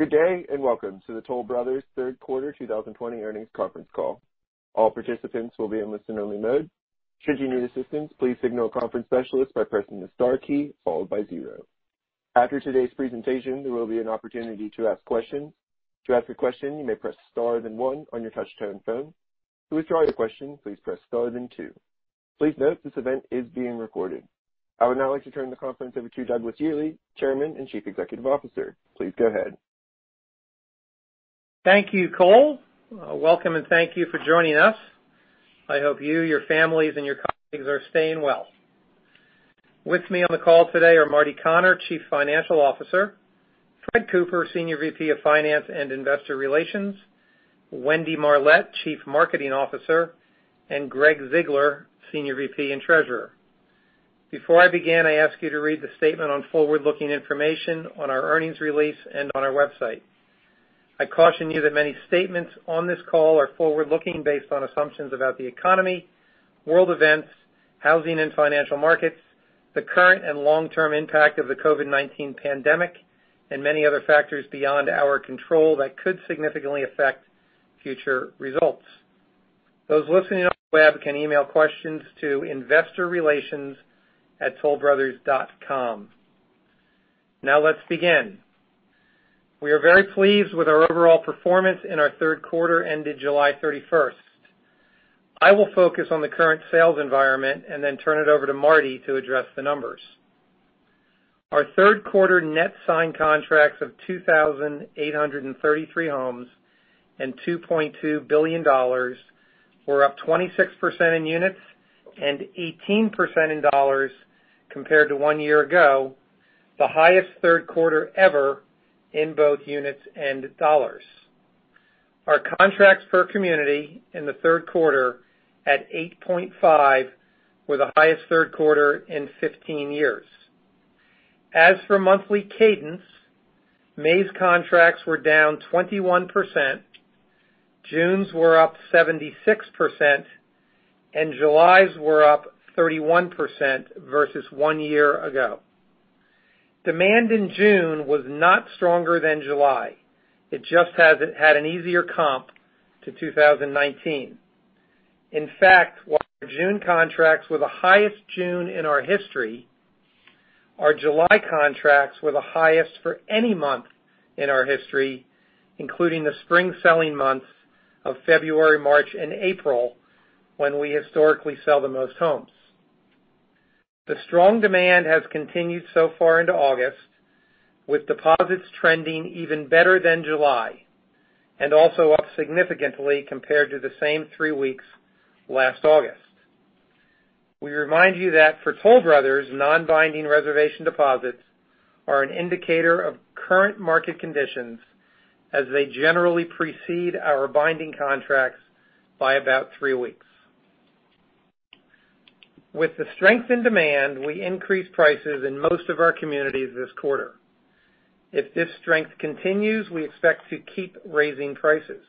Good day. Welcome to the Toll Brothers Third Quarter 2020 Earnings Conference Call. All participants will be in listen-only mode. I would now like to turn the conference over to Douglas Yearley, Chairman and Chief Executive Officer. Please go ahead. Thank you, Cole. Welcome, and thank you for joining us. I hope you, your families, and your colleagues are staying well. With me on the call today are Martin Connor, Chief Financial Officer, Frederick Cooper, Senior VP of Finance and Investor Relations, Wendy Marlett, Chief Marketing Officer, and Gregg Ziegler, Senior VP and Treasurer. Before I begin, I ask you to read the statement on forward-looking information on our earnings release and on our website. I caution you that many statements on this call are forward-looking based on assumptions about the economy, world events, housing and financial markets, the current and long-term impact of the COVID-19 pandemic, and many other factors beyond our control that could significantly affect future results. Those listening on the web can email questions to investorrelations@tollbrothers.com. Now let's begin. We are very pleased with our overall performance in our third quarter ended July 31st. I will focus on the current sales environment and then turn it over to Martin to address the numbers. Our third quarter net signed contracts of 2,833 homes and $2.2 billion were up 26% in units and 18% in dollars compared to one year ago, the highest third quarter ever in both units and dollars. Our contracts per community in the third quarter at 8.5 were the highest third quarter in 15 years. As for monthly cadence, May's contracts were down 21%, June's were up 76%, and July's were up 31% versus one year ago. Demand in June was not stronger than July. It just had an easier comp to 2019. In fact, while our June contracts were the highest June in our history, our July contracts were the highest for any month in our history, including the spring selling months of February, March, and April, when we historically sell the most homes. The strong demand has continued so far into August, with deposits trending even better than July, and also up significantly compared to the same three weeks last August. We remind you that for Toll Brothers, non-binding reservation deposits are an indicator of current market conditions as they generally precede our binding contracts by about three weeks. With the strength in demand, we increased prices in most of our communities this quarter. If this strength continues, we expect to keep raising prices.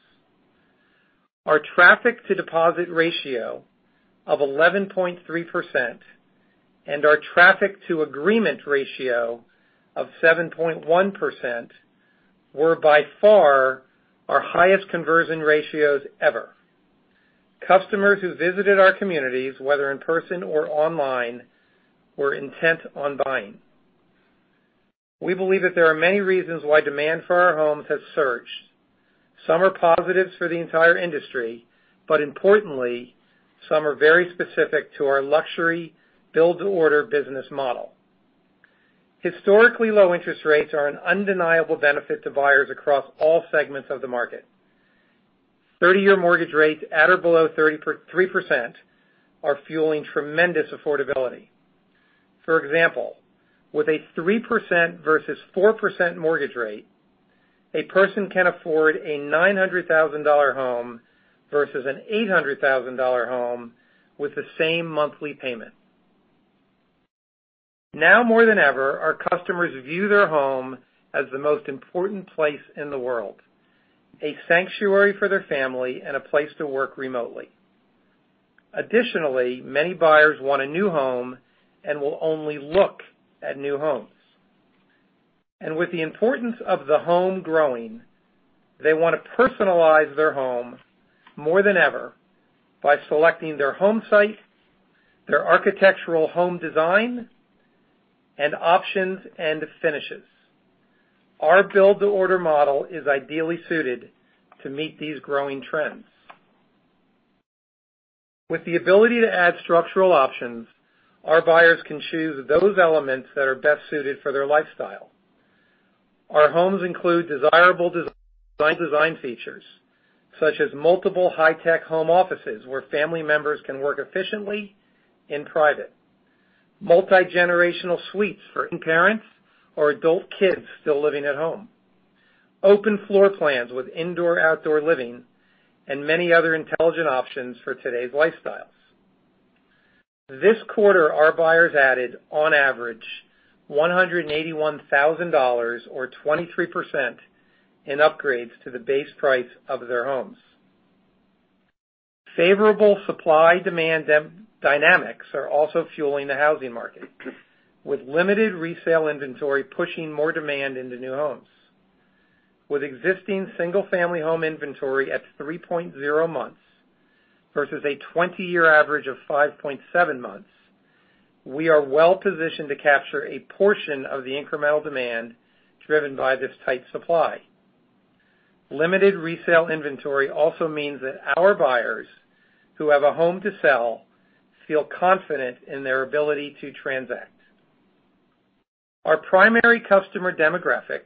Our traffic to deposit ratio of 11.3% and our traffic to agreement ratio of 7.1% were by far our highest conversion ratios ever. Customers who visited our communities, whether in person or online, were intent on buying. We believe that there are many reasons why demand for our homes has surged. Some are positives for the entire industry, but importantly, some are very specific to our luxury build-to-order business model. Historically low interest rates are an undeniable benefit to buyers across all segments of the market. 30-year mortgage rates at or below 3% are fueling tremendous affordability. For example, with a 3% versus 4% mortgage rate, a person can afford a $900,000 home versus an $800,000 home with the same monthly payment. Now more than ever, our customers view their home as the most important place in the world, a sanctuary for their family, and a place to work remotely. Additionally, many buyers want a new home and will only look at new homes. With the importance of the home growing, they want to personalize their home more than ever by selecting their home site, their architectural home design, and options and finishes. Our build-to-order model is ideally suited to meet these growing trends. With the ability to add structural options, our buyers can choose those elements that are best suited for their lifestyle. Our homes include desirable design features, such as multiple high-tech home offices where family members can work efficiently in private, multi-generational suites for parents or adult kids still living at home, open floor plans with indoor-outdoor living, and many other intelligent options for today's lifestyles. This quarter, our buyers added, on average, $181,000 or 23% in upgrades to the base price of their homes. Favorable supply-demand dynamics are also fueling the housing market, with limited resale inventory pushing more demand into new homes. With existing single-family home inventory at 3.0 months versus a 20-year average of 5.7 months, we are well-positioned to capture a portion of the incremental demand driven by this tight supply. Limited resale inventory also means that our buyers who have a home to sell feel confident in their ability to transact. Our primary customer demographic,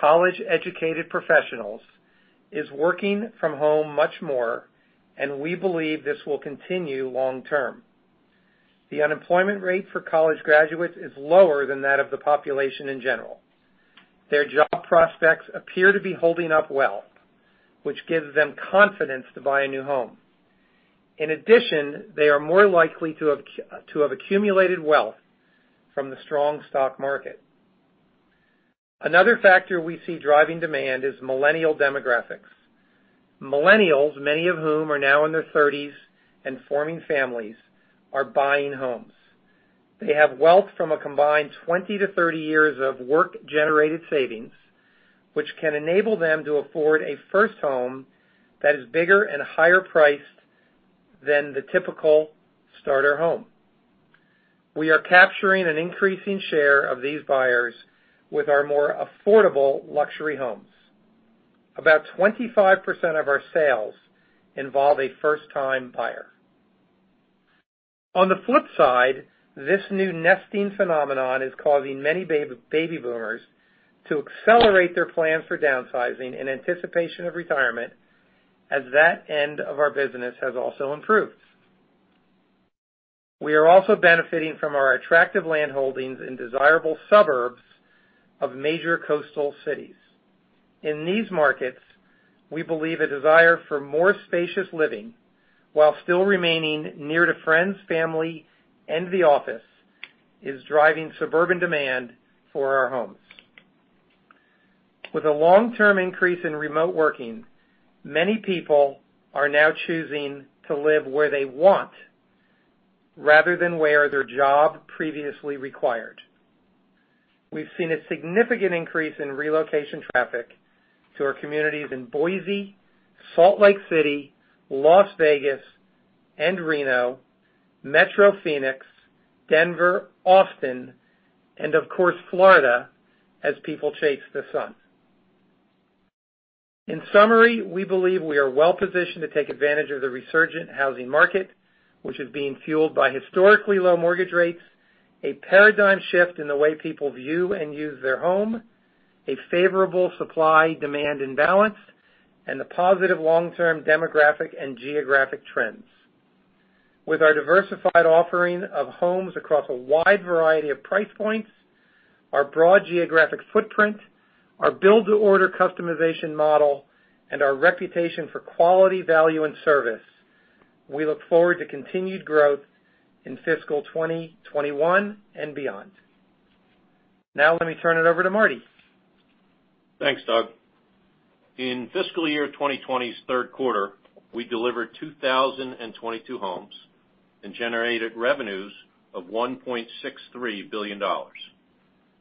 college-educated professionals, is working from home much more. We believe this will continue long-term. The unemployment rate for college graduates is lower than that of the population in general. Their job prospects appear to be holding up well, which gives them confidence to buy a new home. In addition, they are more likely to have accumulated wealth from the strong stock market. Another factor we see driving demand is millennial demographics. Millennials, many of whom are now in their 30s and forming families, are buying homes. They have wealth from a combined 20 to 30 years of work-generated savings, which can enable them to afford a first home that is bigger and higher-priced than the typical starter home. We are capturing an increasing share of these buyers with our more affordable luxury homes. About 25% of our sales involve a first-time buyer. On the flip side, this new nesting phenomenon is causing many baby boomers to accelerate their plans for downsizing in anticipation of retirement, as that end of our business has also improved. We are also benefiting from our attractive land holdings in desirable suburbs of major coastal cities. In these markets, we believe a desire for more spacious living while still remaining near to friends, family, and the office is driving suburban demand for our homes. With a long-term increase in remote working, many people are now choosing to live where they want, rather than where their job previously required. We've seen a significant increase in relocation traffic to our communities in Boise, Salt Lake City, Las Vegas and Reno, Metro Phoenix, Denver, Austin, and of course Florida, as people chase the sun. In summary, we believe we are well-positioned to take advantage of the resurgent housing market, which is being fueled by historically low mortgage rates, a paradigm shift in the way people view and use their home, a favorable supply-demand imbalance, and the positive long-term demographic and geographic trends. With our diversified offering of homes across a wide variety of price points, our broad geographic footprint, our build-to-order customization model, and our reputation for quality, value, and service, we look forward to continued growth in fiscal 2021 and beyond. Now, let me turn it over to Martin. Thanks, Doug. In fiscal year 2020's third quarter, we delivered 2,022 homes and generated revenues of $1.63 billion,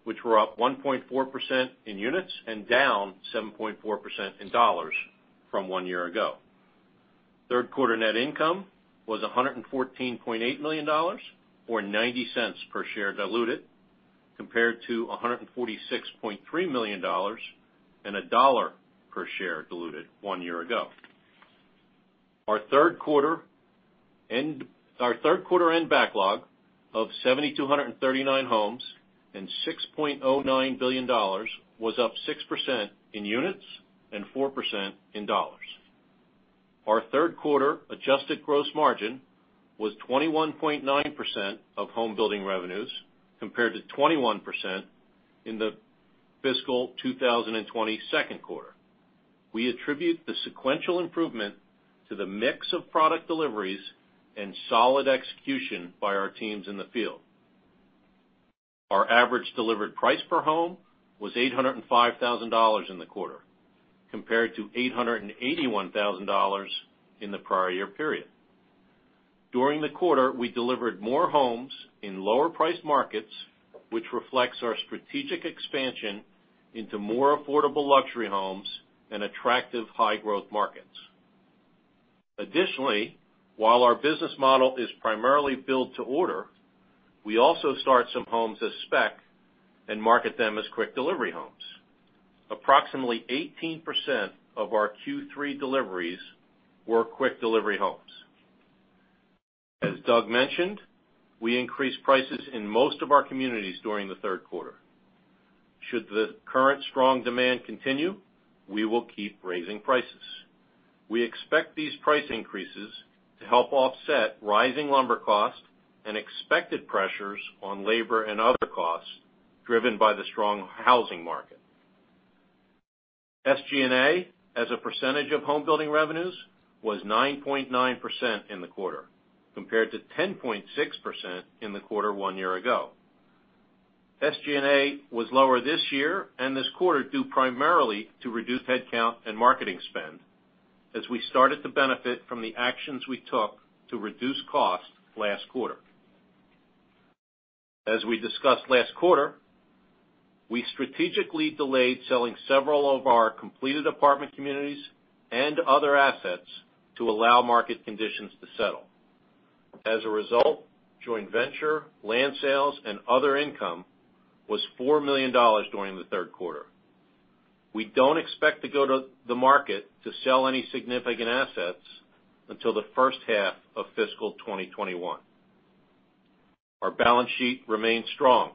which were up 1.4% in units and down 7.4% in dollars from one year ago. Third quarter net income was $114.8 million, or $0.90 per share diluted, compared to $146.3 million and $1 per share diluted one year ago. Our third quarter-end backlog of 7,239 homes and $6.09 billion was up 6% in units and 4% in dollars. Our third quarter adjusted gross margin was 21.9% of home building revenues, compared to 21% in the fiscal 2020 second quarter. We attribute the sequential improvement to the mix of product deliveries and solid execution by our teams in the field. Our average delivered price per home was $805,000 in the quarter, compared to $881,000 in the prior year period. During the quarter, we delivered more homes in lower-priced markets, which reflects our strategic expansion into more affordable luxury homes and attractive high-growth markets. Additionally, while our business model is primarily build-to-order, we also start some homes as spec and market them as quick-delivery homes. Approximately 18% of our Q3 deliveries were quick-delivery homes. As Doug mentioned, we increased prices in most of our communities during the third quarter. Should the current strong demand continue, we will keep raising prices. We expect these price increases to help offset rising lumber costs and expected pressures on labor and other costs driven by the strong housing market. SG&A as a percentage of home building revenues was 9.9% in the quarter, compared to 10.6% in the quarter one year ago. SG&A was lower this year and this quarter, due primarily to reduced headcount and marketing spend as we started to benefit from the actions we took to reduce cost last quarter. As we discussed last quarter, we strategically delayed selling several of our completed apartment communities and other assets to allow market conditions to settle. As a result, joint venture, land sales, and other income was $4 million during the third quarter. We don't expect to go to the market to sell any significant assets until the first half of fiscal 2021. Our balance sheet remains strong.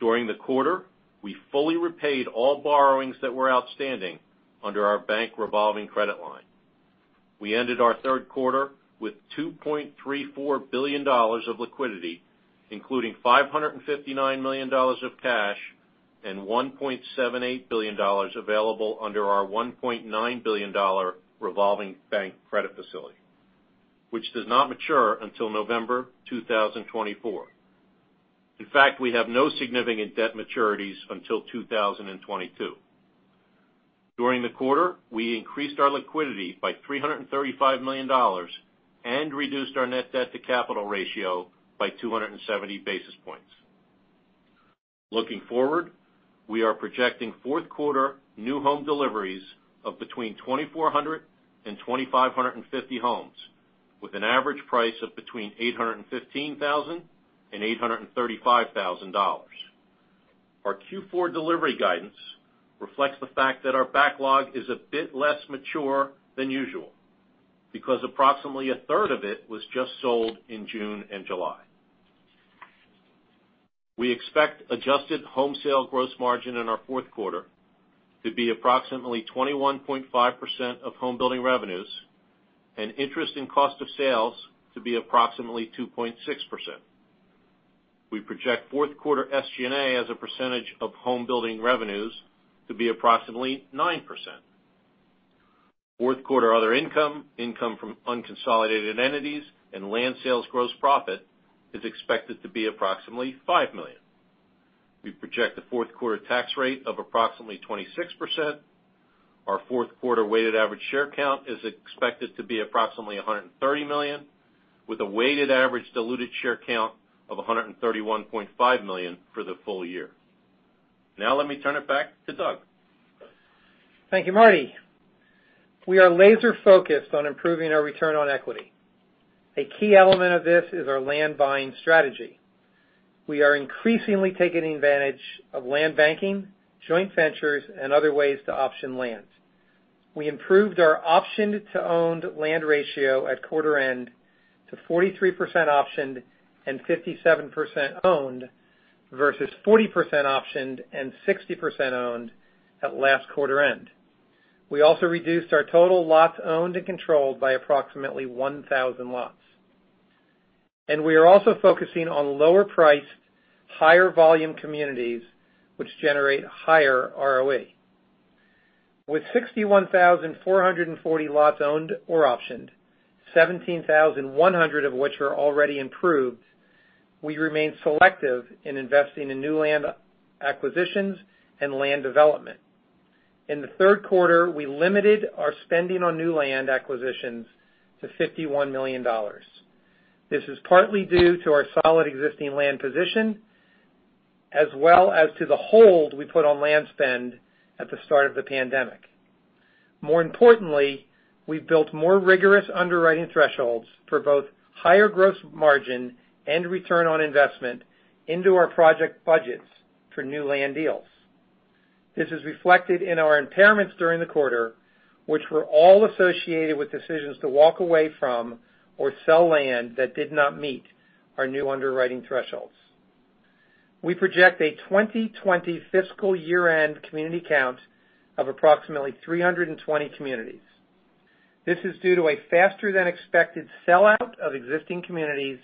During the quarter, we fully repaid all borrowings that were outstanding under our bank revolving credit line. We ended our third quarter with $2.34 billion of liquidity, including $559 million of cash and $1.78 billion available under our $1.9 billion revolving bank credit facility, which does not mature until November 2024. We have no significant debt maturities until 2022. During the quarter, we increased our liquidity by $335 million and reduced our net debt-to-capital ratio by 270 basis points. Looking forward, we are projecting fourth quarter new home deliveries of between 2,400 and 2,550 homes, with an average price of between $815,000 and $835,000. Our Q4 delivery guidance reflects the fact that our backlog is a bit less mature than usual because approximately a third of it was just sold in June and July. We expect adjusted home sale gross margin in our fourth quarter to be approximately 21.5% of home building revenues and interest in cost of sales to be approximately 2.6%. We project fourth quarter SG&A as a percentage of home building revenues to be approximately 9%. Fourth quarter other income from unconsolidated entities, and land sales gross profit is expected to be approximately $5 million. We project a fourth quarter tax rate of approximately 26%. Our fourth quarter weighted average share count is expected to be approximately 130 million, with a weighted average diluted share count of 131.5 million for the full-year. Now let me turn it back to Doug. Thank you, Martin. We are laser-focused on improving our return on equity. A key element of this is our land buying strategy. We are increasingly taking advantage of land banking, joint ventures, and other ways to option land. We improved our option-to-owned land ratio at quarter end to 43% optioned and 57% owned versus 40% optioned and 60% owned at last quarter end. We also reduced our total lots owned and controlled by approximately 1,000 lots. We are also focusing on lower priced, higher volume communities, which generate higher ROE. With 61,440 lots owned or optioned, 17,100 of which are already improved, we remain selective in investing in new land acquisitions and land development. In the third quarter, we limited our spending on new land acquisitions to $51 million. This is partly due to our solid existing land position, as well as to the hold we put on land spend at the start of the pandemic. More importantly, we've built more rigorous underwriting thresholds for both higher gross margin and return on investment into our project budgets for new land deals. This is reflected in our impairments during the quarter, which were all associated with decisions to walk away from or sell land that did not meet our new underwriting thresholds. We project a 2020 fiscal year-end community count of approximately 320 communities. This is due to a faster-than-expected sellout of existing communities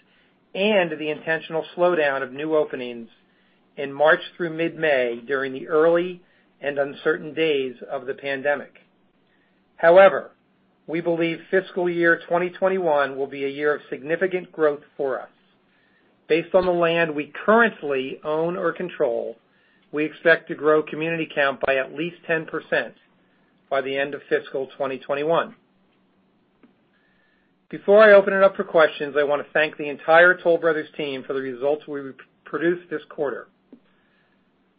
and the intentional slowdown of new openings in March through mid-May during the early and uncertain days of the pandemic. We believe fiscal year 2021 will be a year of significant growth for us. Based on the land we currently own or control, we expect to grow community count by at least 10% by the end of fiscal 2021. Before I open it up for questions, I want to thank the entire Toll Brothers team for the results we produced this quarter.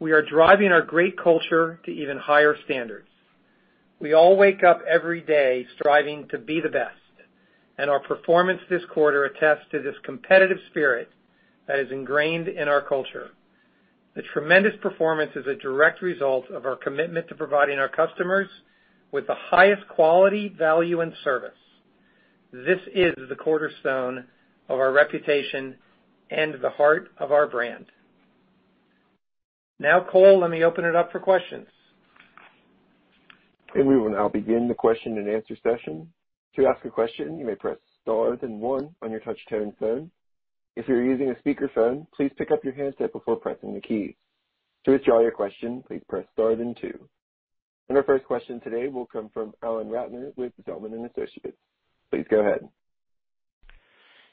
We are driving our great culture to even higher standards. We all wake up every day striving to be the best, and our performance this quarter attests to this competitive spirit that is ingrained in our culture. The tremendous performance is a direct result of our commitment to providing our customers with the highest quality, value, and service. This is the cornerstone of our reputation and the heart of our brand. Now, Cole, let me open it up for questions. We will now begin the question-and-answer session. To ask a question, you may press star then one on your touch-tone phone. If you're using a speakerphone, please pick up your handset before pressing the keys. To withdraw your question, please press star then two. Our first question today will come from Alan Ratner with Zelman & Associates. Please go ahead.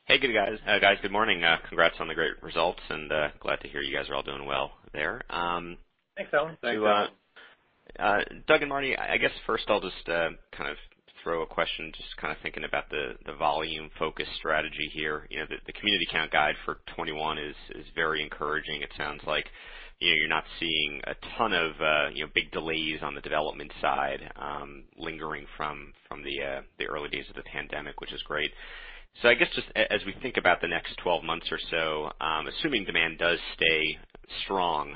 Hey, good guys. Good morning. Congrats on the great results, glad to hear you guys are all doing well there. Thanks, Alan. Thanks, Alan. Doug and Martin, I guess first I'll just kind of throw a question, just kind of thinking about the volume-focused strategy here. The community count guide for 2021 is very encouraging. It sounds like you're not seeing a ton of big delays on the development side lingering from the early days of the pandemic, which is great. I guess, just as we think about the next 12 months or so, assuming demand does stay strong,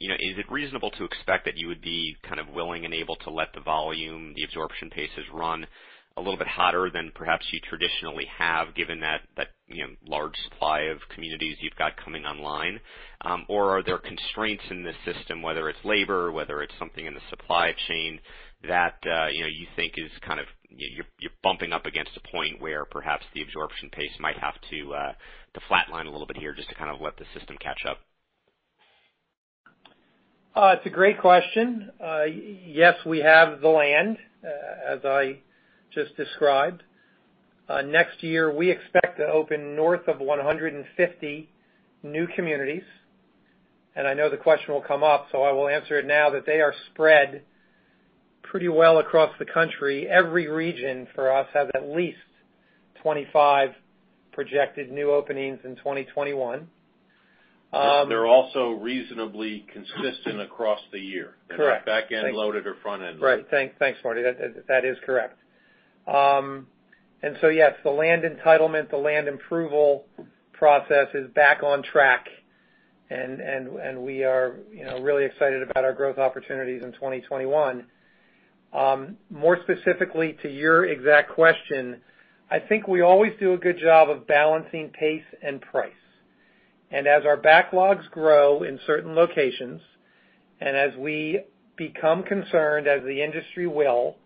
is it reasonable to expect that you would be kind of willing and able to let the volume. The absorption paces run a little bit hotter than perhaps you traditionally have, given that large supply of communities you've got coming online? Are there constraints in this system, whether it's labor, whether it's something in the supply chain that you think you're bumping up against a point where perhaps the absorption pace might have to flat line a little bit here just to kind of let the system catch up? It's a great question. Yes, we have the land, as I just described. Next year, we expect to open north of 150 new communities. I know the question will come up, so I will answer it now that they are spread pretty well across the country. Every region for us has at least 25 projected new openings in 2021. They're also reasonably consistent across the year. Correct. They're not back-end loaded or front-end loaded. Right. Thanks, Martin. That is correct. Yes, the land entitlement, the land approval process is back on track, and we are really excited about our growth opportunities in 2021. More specifically to your exact question, I think we always do a good job of balancing pace and price. As our backlogs grow in certain locations, and as we become concerned, as the industry will,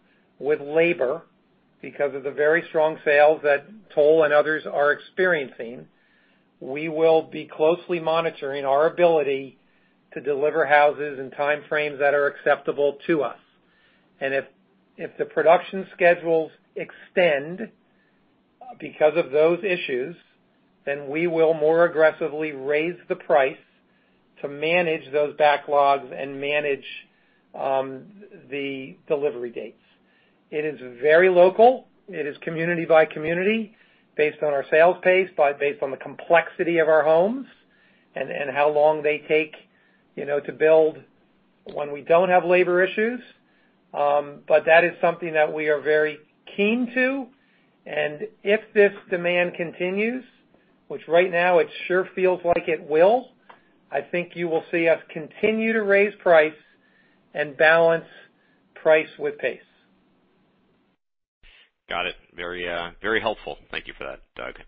with labor because of the very strong sales that Toll and others are experiencing, we will be closely monitoring our ability to deliver houses in time frames that are acceptable to us. If the production schedules extend because of those issues, then we will more aggressively raise the price to manage those backlogs and manage the delivery dates. It is very local. It is community by community based on our sales pace, based on the complexity of our homes and how long they take to build when we don't have labor issues. That is something that we are very keen to, and if this demand continues, which right now it sure feels like it will, I think you will see us continue to raise price and balance price with pace. Got it. Very helpful. Thank you for that, Doug.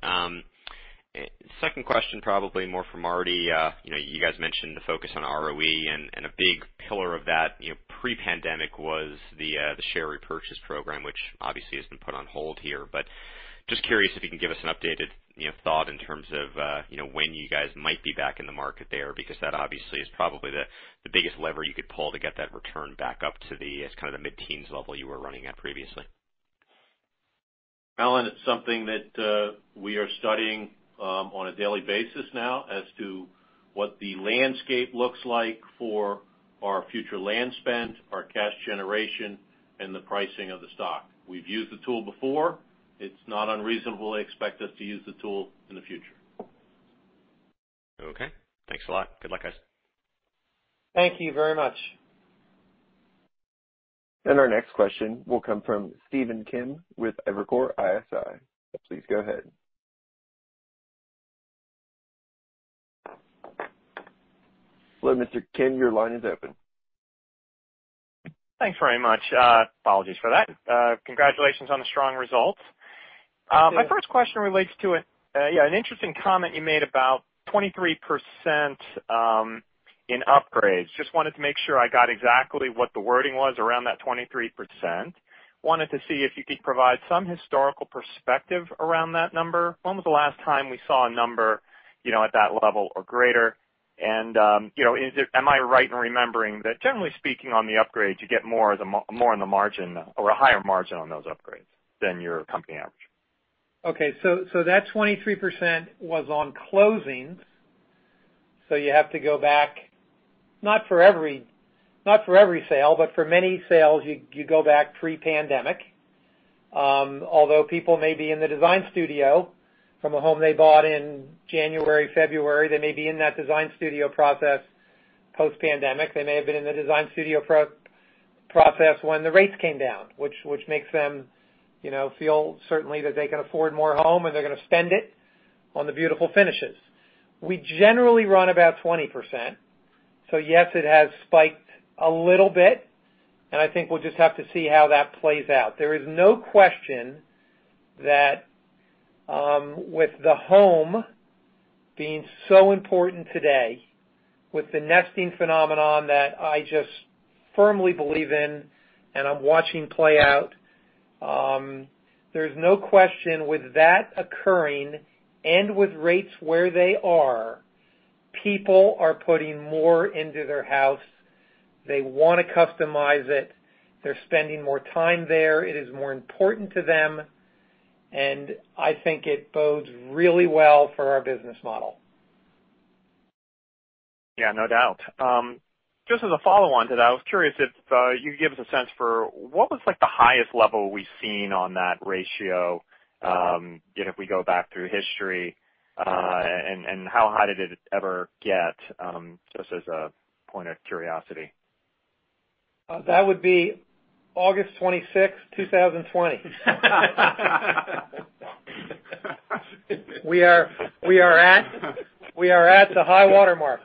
Second question, probably more for Martin. You guys mentioned the focus on ROE, and a big pillar of that pre-pandemic was the share repurchase program, which obviously has been put on hold here. But just curious if you can give us an updated thought in terms of when you guys might be back in the market there, because that obviously is probably the biggest lever you could pull to get that return back up to the kind of the mid-teens level you were running at previously? Alan, it's something that we are studying on a daily basis now as to what the landscape looks like for our future land spend, our cash generation, and the pricing of the stock. We've used the tool before. It's not unreasonable to expect us to use the tool in the future. Okay, thanks a lot. Good luck, guys. Thank you very much. Our next question will come from Stephen Kim with Evercore ISI. Please go ahead. Hello, Mr. Kim, your line is open. Thanks very much. Apologies for that. Congratulations on the strong results. Thank you. My first question relates to an interesting comment you made about 23% in upgrades. Just wanted to make sure I got exactly what the wording was around that 23%. Wanted to see if you could provide some historical perspective around that number. When was the last time we saw a number at that level or greater? Am I right in remembering that generally speaking on the upgrade, you get more on the margin or a higher margin on those upgrades than your company average? That 23% was on closings. You have to go back, not for every sale, but for many sales, you go back pre-pandemic. Although people may be in the Design Studio from a home they bought in January, February, they may be in that Design Studio process post-pandemic. They may have been in the Design Studio process when the rates came down, which makes them feel certainly that they can afford more home, and they're going to spend it on the beautiful finishes. We generally run about 20%. Yes, it has spiked a little bit, and I think we'll just have to see how that plays out. There is no question that with the home being so important today, with the nesting phenomenon that I just firmly believe in and I am watching play out, there is no question with that occurring and with rates where they are. People are putting more into their house. They want to customize it. They are spending more time there. It is more important to them, and I think it bodes really well for our business model. Yeah, no doubt. Just as a follow-on to that, I was curious if you could give us a sense for what was the highest level we've seen on that ratio, if we go back through history. How high did it ever get, just as a point of curiosity? That would be August 26th, 2020. We are at the high watermark.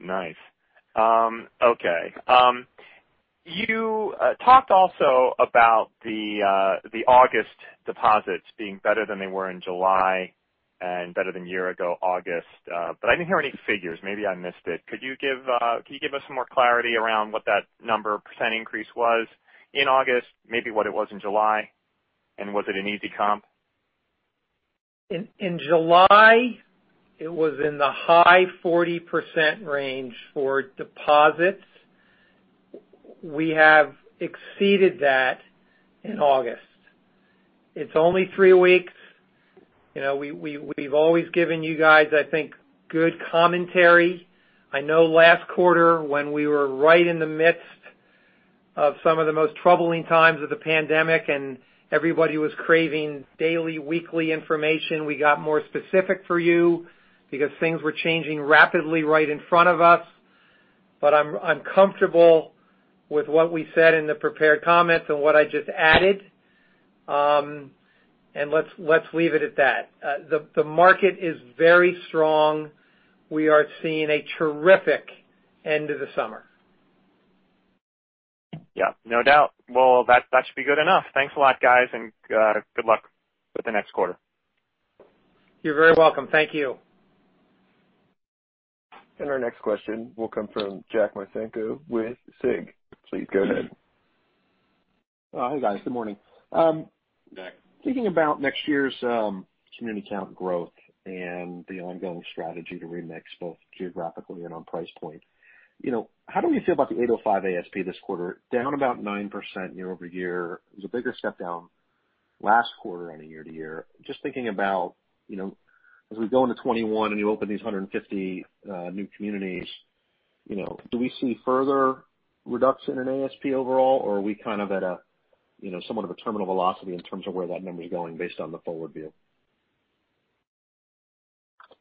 Nice. Okay. You talked also about the August deposits being better than they were in July, and better than a year ago August. I didn't hear any figures. Maybe I missed it. Could you give us some more clarity around what that number or % increase was in August? Maybe what it was in July, and was it an easy comp? In July, it was in the high 40% range for deposits. We have exceeded that in August. It's only three weeks. We've always given you guys, I think, good commentary. I know last quarter, when we were right in the midst of some of the most troubling times of the pandemic, and everybody was craving daily, weekly information, we got more specific for you because things were changing rapidly right in front of us. I'm comfortable with what we said in the prepared comments and what I just added. Let's leave it at that. The market is very strong. We are seeing a terrific end to the summer. Yeah, no doubt. Well, that should be good enough. Thanks a lot, guys, and good luck with the next quarter. You're very welcome. Thank you. Our next question will come from Jack Micenko with SIG. Please go ahead. Hi, guys. Good morning. Jack. Thinking about next year's community count growth and the ongoing strategy to remix both geographically and on price point. How do we feel about the $805 ASP this quarter? Down about 9% year-over-year. It was a bigger step down last quarter on a year-to-year. Just thinking about as we go into 2021, and you open these 150 new communities, do we see further reduction in ASP overall, or are we kind of at somewhat of a terminal velocity in terms of where that number is going based on the forward view?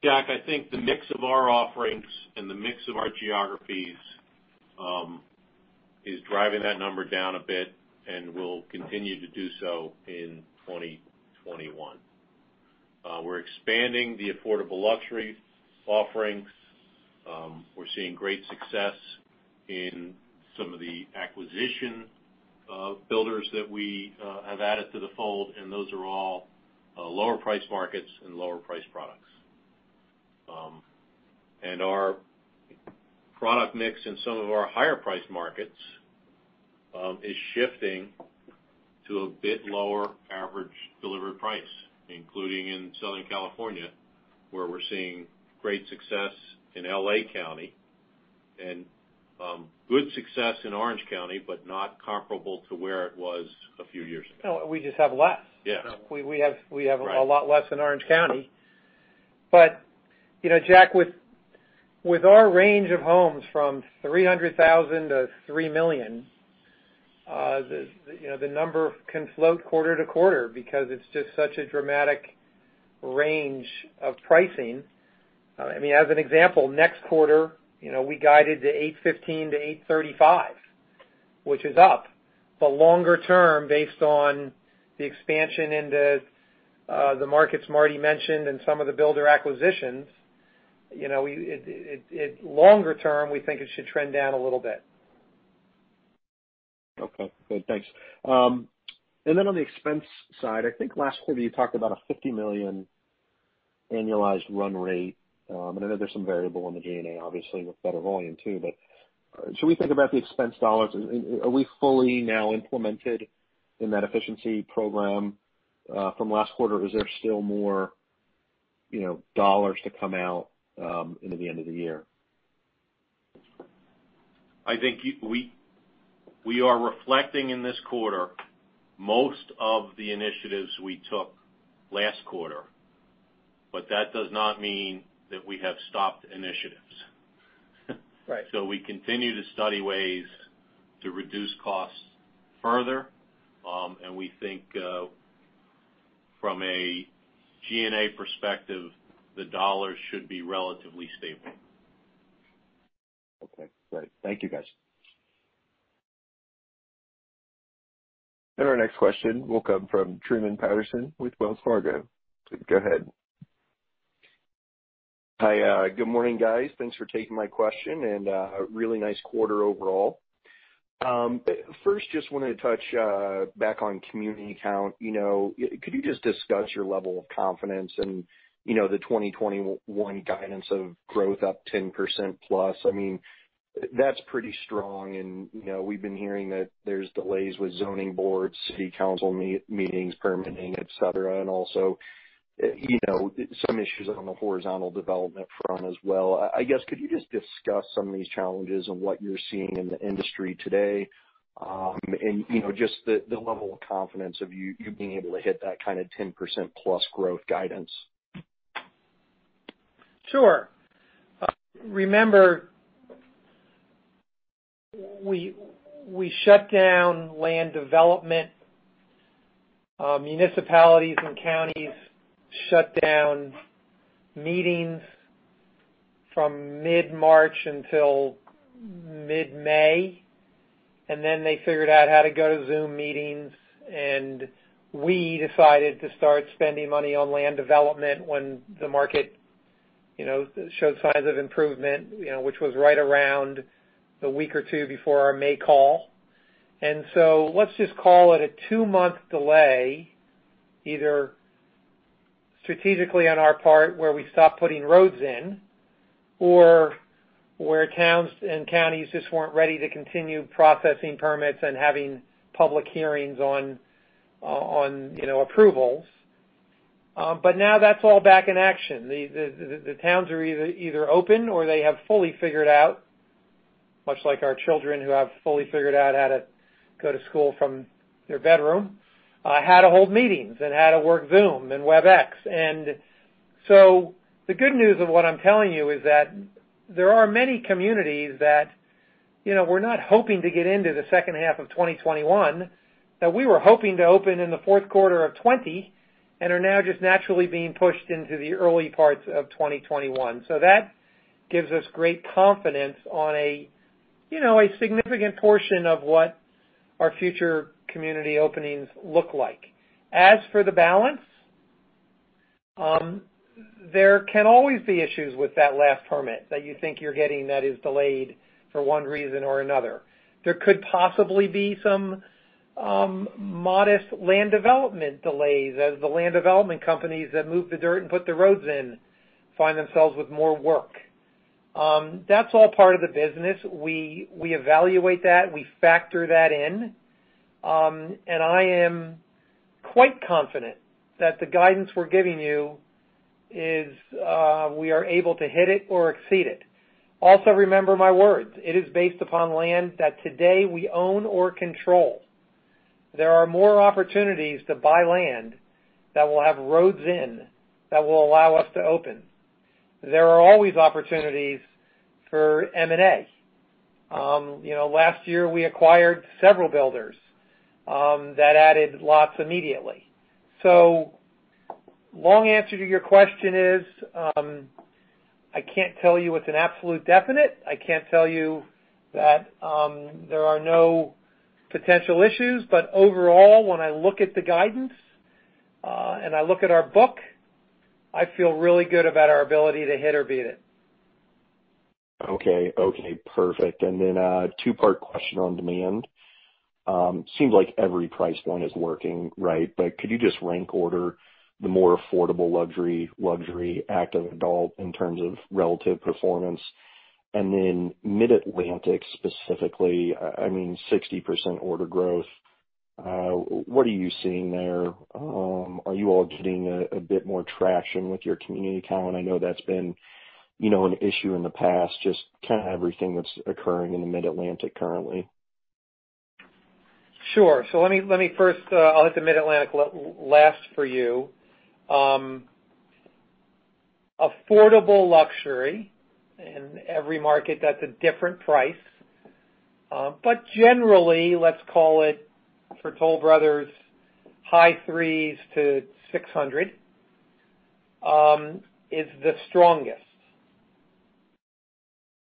Jack, I think the mix of our offerings and the mix of our geographies is driving that number down a bit and will continue to do so in 2021. We're expanding the affordable luxury offerings. We're seeing great success in some of the acquisition builders that we have added to the fold, and those are all lower priced markets and lower priced products. Our product mix in some of our higher priced markets is shifting to a bit lower average delivery price, including in Southern California, where we're seeing great success in L.A. County and good success in Orange County, but not comparable to where it was a few years ago. We just have less. Yeah. We have a lot less in Orange County. Jack, with our range of homes from $300,000 to $3 million, the number can float quarter to quarter because it's just such a dramatic range of pricing. As an example, next quarter, we guided to $815-$835, which is up. Longer term, based on the expansion into the markets Martin mentioned and some of the builder acquisitions, longer term, we think it should trend down a little bit. Okay. Good. Thanks. On the expense side, I think last quarter you talked about a $50 million annualized run rate. I know there's some variable on the G&A, obviously, with better volume, too. As we think about the expense dollars, are we fully now implemented in that efficiency program from last quarter, or is there still more dollars to come out into the end of the year? I think we are reflecting in this quarter most of the initiatives we took last quarter, but that does not mean that we have stopped initiatives. Right. We continue to study ways to reduce costs further. We think from a G&A perspective, the dollars should be relatively stable. Okay, great. Thank you, guys. Our next question will come from Truman Patterson with Wells Fargo. Go ahead. Hi. Good morning, guys. Thanks for taking my question. Really nice quarter overall. First, just wanted to touch back on community count. Could you just discuss your level of confidence in the 2021 guidance of growth up 10% plus? That's pretty strong. We've been hearing that there's delays with zoning boards, city council meetings, permitting, et cetera. Also some issues on the horizontal development front as well. I guess, could you just discuss some of these challenges and what you're seeing in the industry today? Just the level of confidence of you being able to hit that kind of 10% plus growth guidance. Sure. Remember, we shut down land development. Municipalities and counties shut down meetings from mid-March until mid-May, and then they figured out how to go to Zoom meetings, and we decided to start spending money on land development when the market showed signs of improvement, which was right around a week or two before our May call. Let's just call it a two-month delay, either strategically on our part, where we stopped putting roads in, or where towns and counties just weren't ready to continue processing permits and having public hearings on approvals. Now that's all back in action. The towns are either open or they have fully figured out, much like our children who have fully figured out how to go to school from their bedroom, how to hold meetings and how to work Zoom and Webex. The good news of what I'm telling you is that there are many communities that we're not hoping to get into the second half of 2021, that we were hoping to open in the fourth quarter of 2020, and are now just naturally being pushed into the early parts of 2021. That gives us great confidence on a significant portion of what our future community openings look like. As for the balance, there can always be issues with that last permit that you think you're getting that is delayed for one reason or another. There could possibly be some modest land development delays as the land development companies that move the dirt and put the roads in find themselves with more work. That's all part of the business. We evaluate that. We factor that in. I am quite confident that the guidance we're giving you is, we are able to hit it or exceed it. Also remember my words. It is based upon land that today we own or control. There are more opportunities to buy land that will have roads in that will allow us to open. There are always opportunities for M&A. Last year, we acquired several builders that added lots immediately. Long answer to your question is, I can't tell you it's an absolute definite. I can't tell you that there are no potential issues. Overall, when I look at the guidance, and I look at our book, I feel really good about our ability to hit or beat it. Okay. Perfect. A two-part question on demand. Seems like every price point is working, right? Could you just rank order the more affordable luxury active adult in terms of relative performance? Mid-Atlantic specifically, I mean, 60% order growth. What are you seeing there? Are you all getting a bit more traction with your community count? I know that's been an issue in the past, just kind of everything that's occurring in the Mid-Atlantic currently. Sure. Let me first, I'll hit the Mid-Atlantic last for you. Affordable luxury. In every market, that's a different price. Generally, let's call it, for Toll Brothers, high $300s to $600, is the strongest.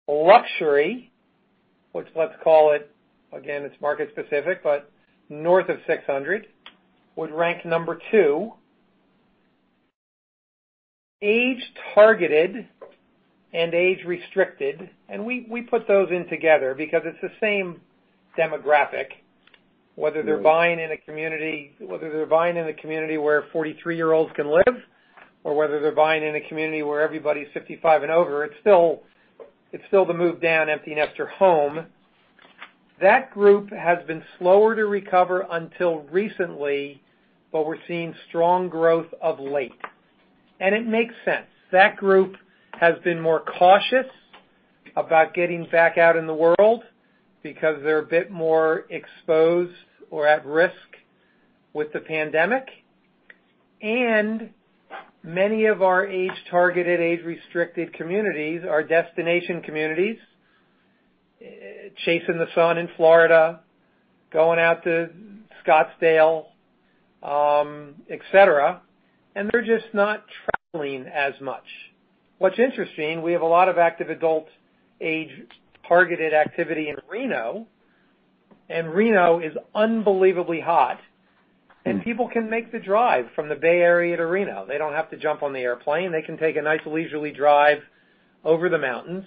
Luxury, which let's call it, again, it's market specific, but north of $600, would rank number two. Age targeted and age restricted, and we put those in together because it's the same demographic, whether they're buying in a community where 43-year-olds can live, or whether they're buying in a community where everybody's 55 and over, it's still the move down, empty nester home. That group has been slower to recover until recently, but we're seeing strong growth of late. It makes sense. That group has been more cautious about getting back out in the world because they're a bit more exposed or at risk with the pandemic. Many of our age-targeted, age-restricted communities are destination communities, chasing the sun in Florida, going out to Scottsdale, et cetera, and they're just not traveling as much. What's interesting, we have a lot of active adult age-targeted activity in Reno, and Reno is unbelievably hot. People can make the drive from the Bay Area to Reno. They don't have to jump on the airplane. They can take a nice leisurely drive over the mountains,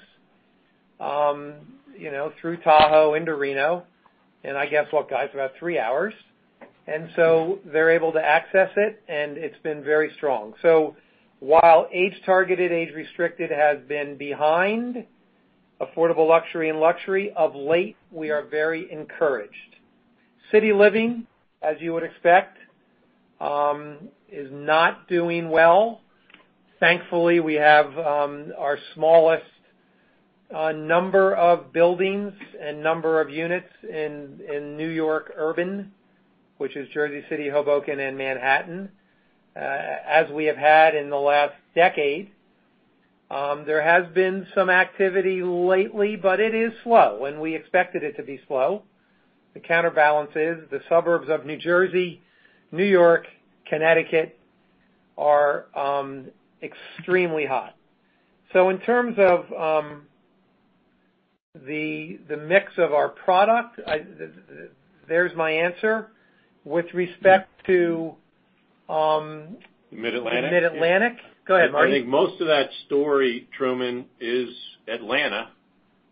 through Tahoe into Reno in I guess, what guys, about three hours? They're able to access it, and it's been very strong. While age-targeted, age-restricted has been behind affordable luxury and luxury, of late, we are very encouraged. City Living, as you would expect, is not doing well. Thankfully, we have our smallest number of buildings and number of units in New York Urban, which is Jersey City, Hoboken, and Manhattan, as we have had in the last decade. There has been some activity lately, but it is slow, and we expected it to be slow. The counterbalance is the suburbs of New Jersey, New York, Connecticut, are extremely hot. In terms of the mix of our product, there's my answer. Mid-Atlantic? Mid-Atlantic. Go ahead, Martin. I think most of that story, Truman, is Atlanta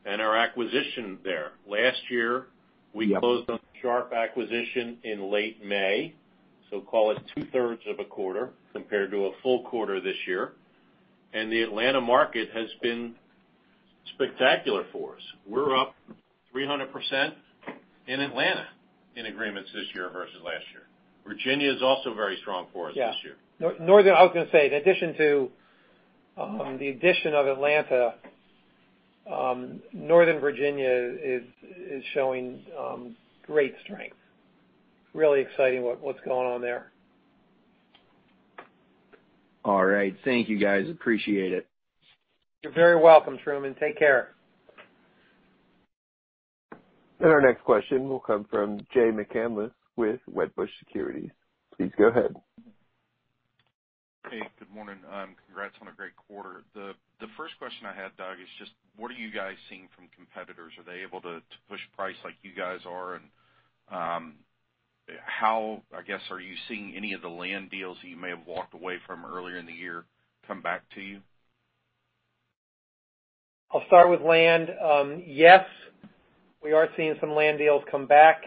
and our acquisition there. Last year, we closed on the Sharp acquisition in late May, so call it two-thirds of a quarter compared to a full quarter this year. The Atlanta market has been spectacular for us. We're up 300% in Atlanta in agreements this year versus last year. Virginia is also very strong for us this year. Yeah. Northern, I was going to say, in addition to the addition of Atlanta, Northern Virginia is showing great strength. Really exciting what's going on there. All right. Thank you guys, appreciate it. You're very welcome, Truman. Take care. Our next question will come from Jay McCanless with Wedbush Securities. Please go ahead. Hey, good morning. Congrats on a great quarter. The first question I had, Doug, is just what are you guys seeing from competitors? Are they able to push price like you guys are? How, I guess, are you seeing any of the land deals that you may have walked away from earlier in the year come back to you? I'll start with land. Yes, we are seeing some land deals come back.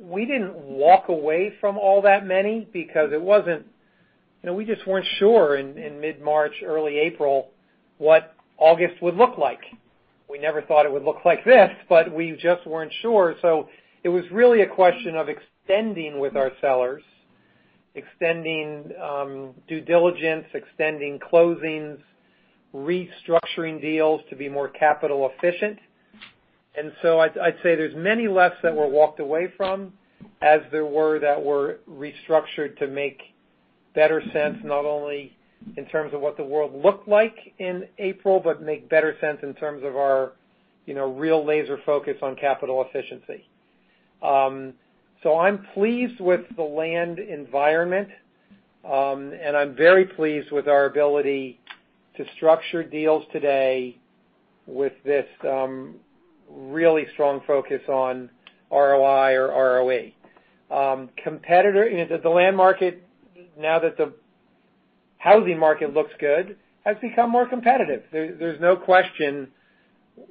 We didn't walk away from all that many because we just weren't sure in mid-March, early April, what August would look like. We never thought it would look like this, but we just weren't sure. It was really a question of extending with our sellers, extending due diligence, extending closings, restructuring deals to be more capital efficient. I'd say there's many less that were walked away from, as there were that were restructured to make better sense, not only in terms of what the world looked like in April, but make better sense in terms of our real laser focus on ROI or ROE. I'm pleased with the land environment, and I'm very pleased with our ability to structure deals today with this really strong focus on ROI or ROE. The land market, now that the housing market looks good, has become more competitive. There's no question,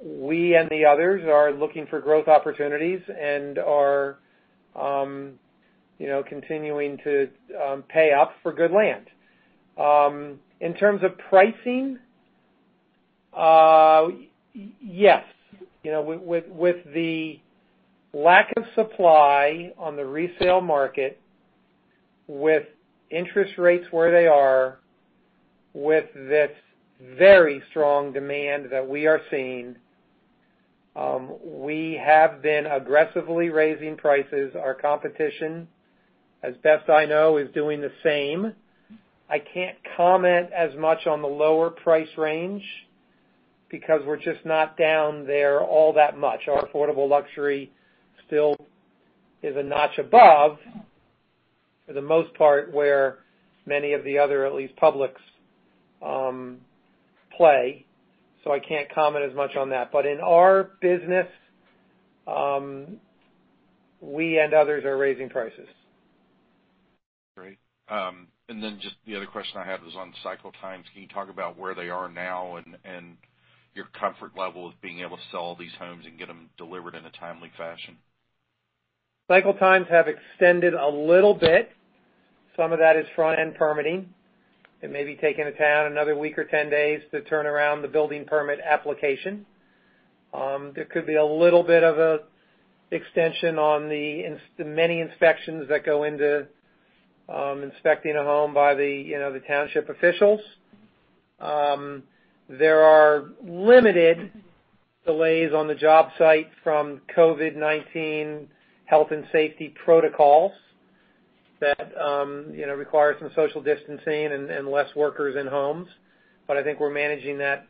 we and the others are looking for growth opportunities and are continuing to pay up for good land. In terms of pricing, yes. With the lack of supply on the resale market, with interest rates where they are, with this very strong demand that we are seeing, we have been aggressively raising prices. Our competition, as best I know, is doing the same. I can't comment as much on the lower price range because we're just not down there all that much. Our affordable luxury still is a notch above, for the most part, where many of the other, at least publics, play. I can't comment as much on that. In our business, we and others are raising prices. Great. Just the other question I had was on cycle times. Can you talk about where they are now and your comfort level of being able to sell these homes and get them delivered in a timely fashion? Cycle times have extended a little bit. Some of that is front-end permitting. It may be taking a town another week or 10 days to turn around the building permit application. There could be a little bit of a extension on the many inspections that go into inspecting a home by the township officials. There are limited delays on the job site from COVID-19 health and safety protocols that require some social distancing and less workers in homes. I think we're managing that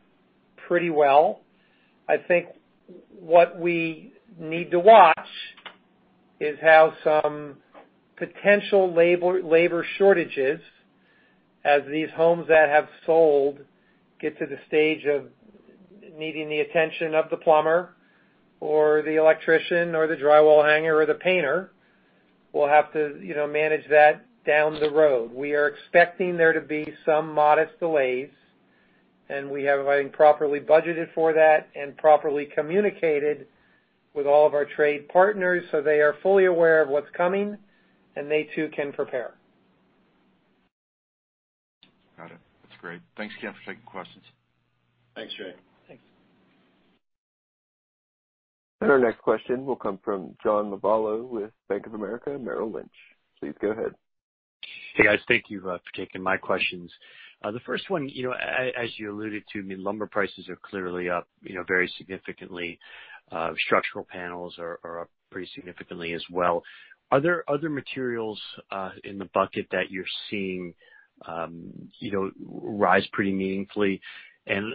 pretty well. I think what we need to watch is how some potential labor shortages, as these homes that have sold, get to the stage of needing the attention of the plumber or the electrician or the drywall hanger or the painter. We'll have to manage that down the road. We are expecting there to be some modest delays. We have properly budgeted for that and properly communicated with all of our trade partners, so they are fully aware of what's coming, and they too can prepare. Got it. That's great. Thanks again for taking questions. Thanks, Jay. Thanks. Our next question will come from John Lovallo with Bank of America Merrill Lynch. Please go ahead. Hey, guys. Thank you for taking my questions. The first one, as you alluded to, lumber prices are clearly up very significantly. Structural panels are up pretty significantly as well. Are there other materials in the bucket that you're seeing rise pretty meaningfully?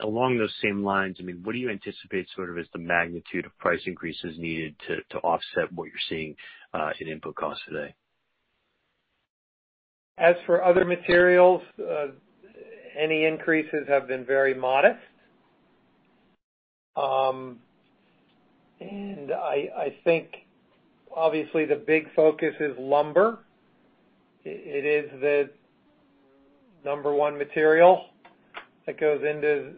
Along those same lines, what do you anticipate sort of is the magnitude of price increases needed to offset what you're seeing in input costs today? As for other materials, any increases have been very modest. I think obviously the big focus is lumber. It is the number one material that goes into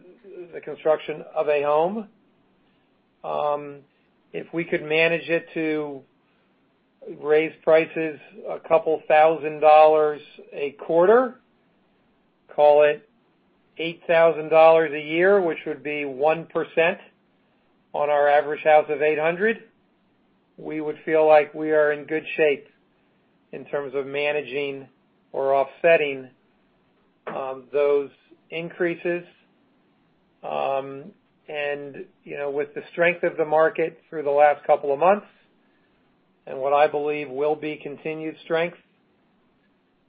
the construction of a home. If we could manage it to raise prices $2,000 a quarter, call it $8,000 a year, which would be 1% on our average house of 800, we would feel like we are in good shape in terms of managing or offsetting those increases. With the strength of the market through the last two months and what I believe will be continued strength,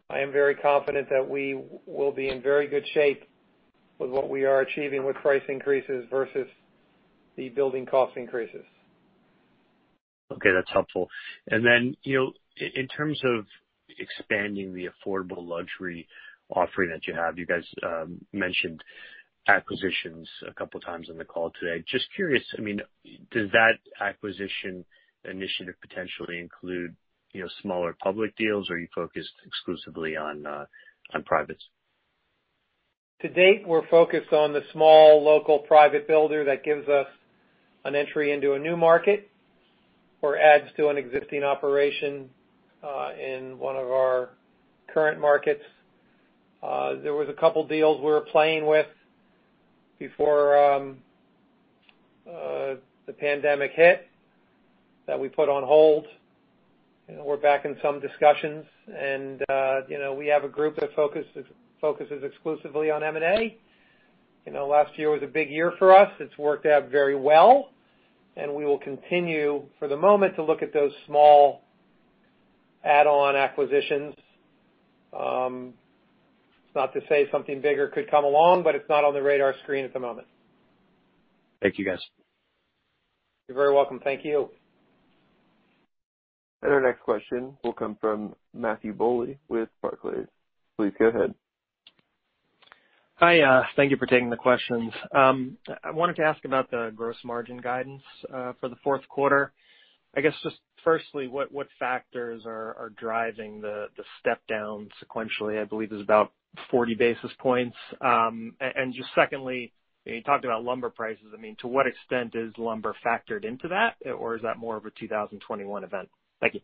I am very confident that we will be in very good shape with what we are achieving with price increases versus the building cost increases. Okay, that's helpful. In terms of expanding the affordable luxury offering that you have, you guys mentioned acquisitions a couple times on the call today. Just curious, does that acquisition initiative potentially include smaller public deals, or are you focused exclusively on privates? To date, we're focused on the small, local private builder that gives us an entry into a new market or adds to an existing operation in one of our current markets. There was a couple deals we were playing with before the pandemic hit that we put on hold. We're back in some discussions and we have a group that focuses exclusively on M&A. Last year was a big year for us. It's worked out very well, and we will continue for the moment to look at those small add-on acquisitions. It's not to say something bigger could come along, but it's not on the radar screen at the moment. Thank you, guys. You're very welcome. Thank you. Our next question will come from Matthew Bouley with Barclays. Please go ahead. Hi. Thank you for taking the questions. I wanted to ask about the gross margin guidance for the fourth quarter. I guess just firstly, what factors are driving the step down sequentially? I believe there's about 40 basis points. Just secondly, you talked about lumber prices. To what extent is lumber factored into that? Or is that more of a 2021 event? Thank you.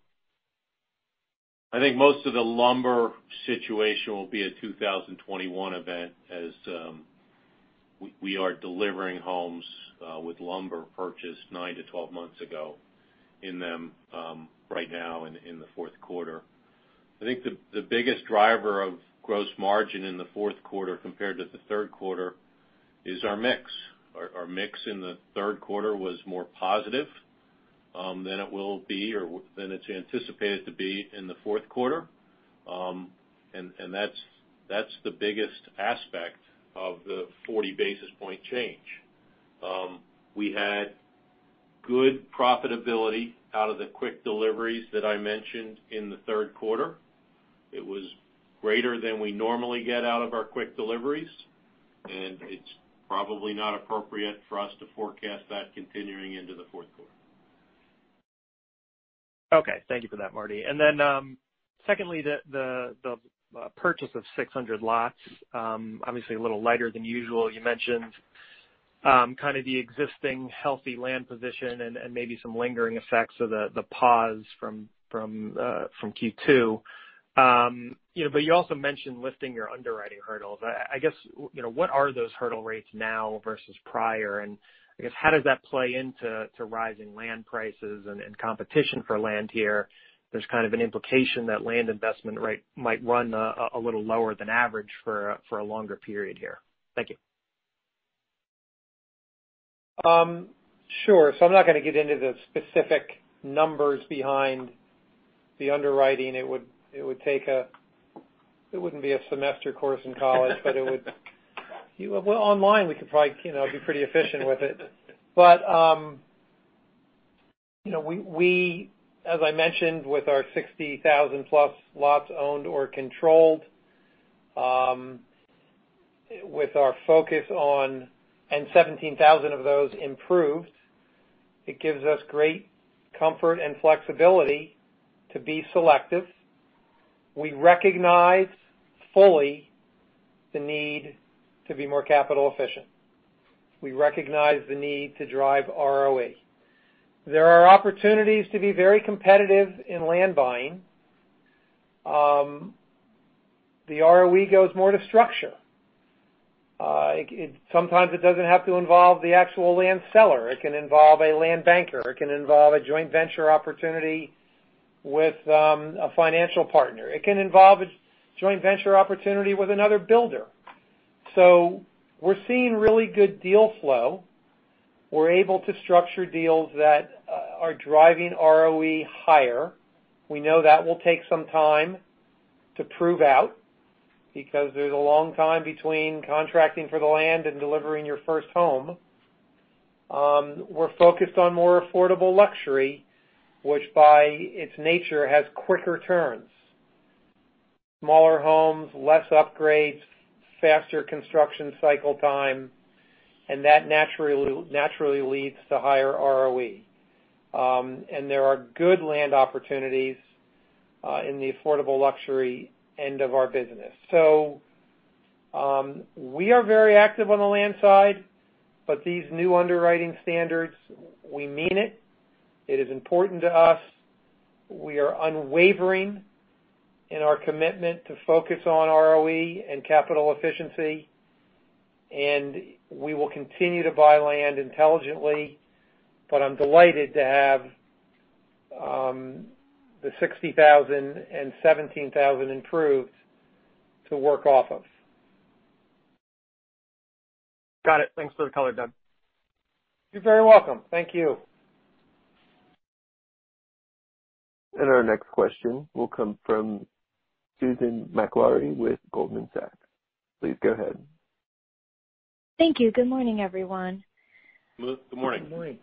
I think most of the lumber situation will be a 2021 event as we are delivering homes with lumber purchased nine to 12 months ago in them right now in the fourth quarter. I think the biggest driver of gross margin in the fourth quarter compared to the third quarter is our mix. Our mix in the third quarter was more positive than it will be or than it's anticipated to be in the fourth quarter. That's the biggest aspect of the 40 basis point change. We had good profitability out of the quick deliveries that I mentioned in the third quarter. It was greater than we normally get out of our quick deliveries, and it's probably not appropriate for us to forecast that continuing into the fourth quarter. Okay. Thank you for that, Martin. Secondly, the purchase of 600 lots, obviously a little lighter than usual. You mentioned kind of the existing healthy land position and maybe some lingering effects of the pause from Q2. You also mentioned lifting your underwriting hurdles. I guess, what are those hurdle rates now versus prior? I guess how does that play into rising land prices and competition for land here? There's kind of an implication that land investment rate might run a little lower than average for a longer period here. Thank you. Sure. I'm not going to get into the specific numbers behind the underwriting. It wouldn't be a semester course in college, but it would Well, online, we could probably be pretty efficient with it. As I mentioned, with our 60,000-plus lots owned or controlled, with our focus on and 17,000 of those improved, it gives us great comfort and flexibility to be selective. We recognize fully the need to be more capital efficient. We recognize the need to drive ROE. There are opportunities to be very competitive in land buying. The ROE goes more to structure. Sometimes it doesn't have to involve the actual land seller. It can involve a land banker. It can involve a joint venture opportunity with a financial partner. It can involve a joint venture opportunity with another builder. We're seeing really good deal flow. We're able to structure deals that are driving ROE higher. We know that will take some time to prove out because there's a long time between contracting for the land and delivering your first home. We're focused on more affordable luxury, which by its nature has quicker turns, smaller homes, less upgrades, faster construction cycle time, and that naturally leads to higher ROE. There are good land opportunities in the affordable luxury end of our business. We are very active on the land side, but these new underwriting standards, we mean it. It is important to us. We are unwavering in our commitment to focus on ROE and capital efficiency, and we will continue to buy land intelligently, but I'm delighted to have the 60,000 and 17,000 improved to work off of. Got it. Thanks for the color, Doug. You're very welcome. Thank you. Our next question will come from Susan Maklari with Goldman Sachs. Please go ahead. Thank you. Good morning, everyone. Good morning. Good morning.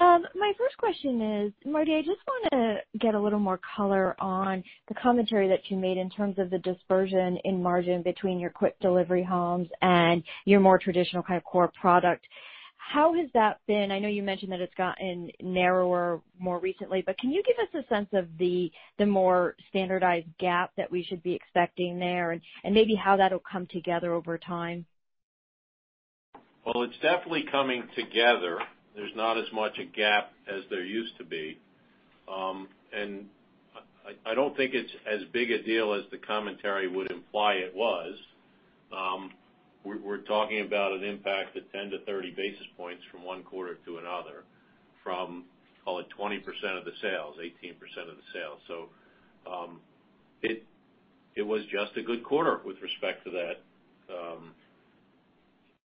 My first question is, Martin, I just want to get a little more color on the commentary that you made in terms of the dispersion in margin between your quick-delivery homes and your more traditional kind of core product. How has that been? I know you mentioned that it's gotten narrower more recently, but can you give us a sense of the more standardized gap that we should be expecting there and maybe how that'll come together over time? Well, it's definitely coming together. There's not as much a gap as there used to be. I don't think it's as big a deal as the commentary would imply it was. We're talking about an impact of 10-30 basis points from one quarter to another, from, call it 20% of the sales, 18% of the sales. It was just a good quarter with respect to that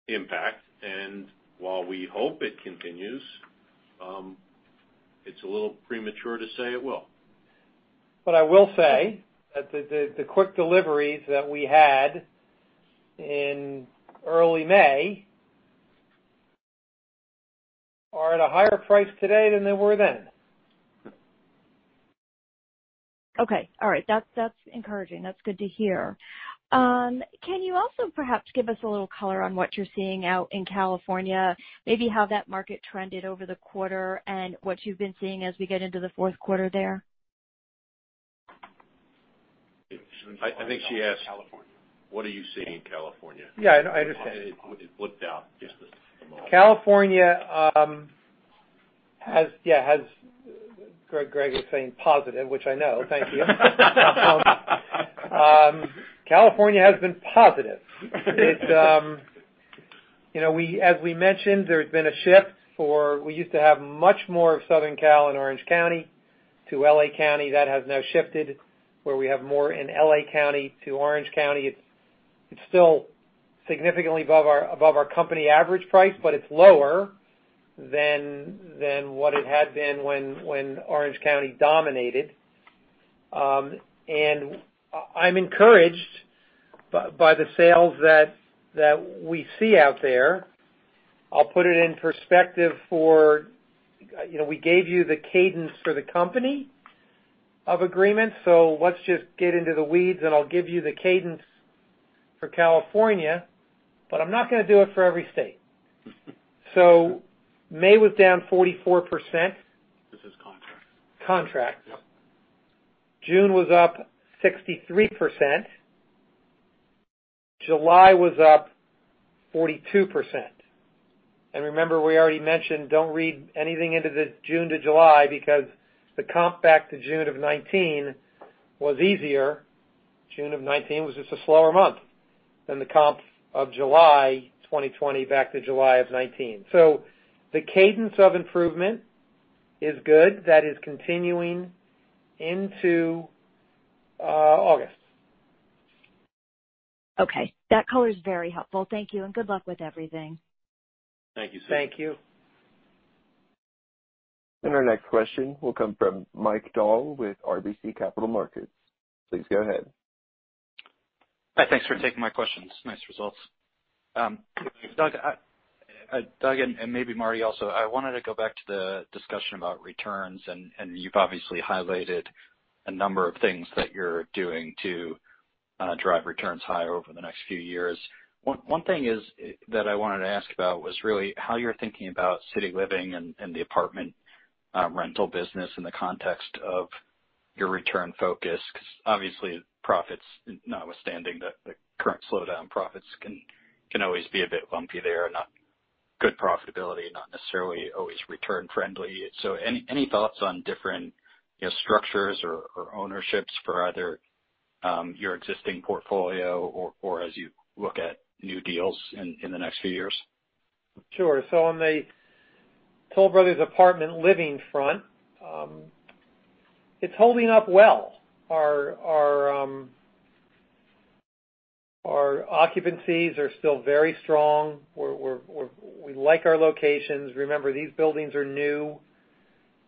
impact. While we hope it continues, it's a little premature to say it will. I will say that the quick deliveries that we had in early May are at a higher price today than they were then. Okay. All right. That's encouraging. That's good to hear. Can you also perhaps give us a little color on what you're seeing out in California, maybe how that market trended over the quarter and what you've been seeing as we get into the fourth quarter there? I think she asked California. What are you seeing in California? Yeah, I understand. It looked out just a moment. California, Greg is saying positive, which I know. Thank you. California has been positive. As we mentioned, there's been a shift. We used to have much more of Southern Cal in Orange County to L.A. County. That has now shifted, where we have more in L.A. County to Orange County. It's still significantly above our company average price, but it's lower than what it had been when Orange County dominated. I'm encouraged by the sales that we see out there. I'll put it in perspective for We gave you the cadence for the company of agreements. Let's just get into the weeds, and I'll give you the cadence for California, but I'm not going to do it for every state. May was down 44%. This is contracts. Contracts. Yep. June was up 63%. July was up 42%. Remember, we already mentioned, don't read anything into the June to July because the comp back to June of 2019 was easier. June of 2019 was just a slower month than the comp of July 2020 back to July of 2019. The cadence of improvement is good. That is continuing into August. Okay. That color is very helpful. Thank you, and good luck with everything. Thank you, Susan. Thank you. Our next question will come from Mike Dahl with RBC Capital Markets. Please go ahead. Thanks for taking my questions. Nice results. Doug, and maybe Martin also, I wanted to go back to the discussion about returns, and you've obviously highlighted a number of things that you're doing to drive returns higher over the next few years. One thing that I wanted to ask about was really how you're thinking about City Living and the apartment rental business in the context of your return focus, because obviously, profits, notwithstanding the current slowdown, profits can always be a bit bumpy there, and good profitability, not necessarily always return-friendly. Any thoughts on different structures or ownerships for either your existing portfolio or as you look at new deals in the next few years? On the Toll Brothers Apartment Living front, it's holding up well. Our occupancies are still very strong. We like our locations. Remember, these buildings are new.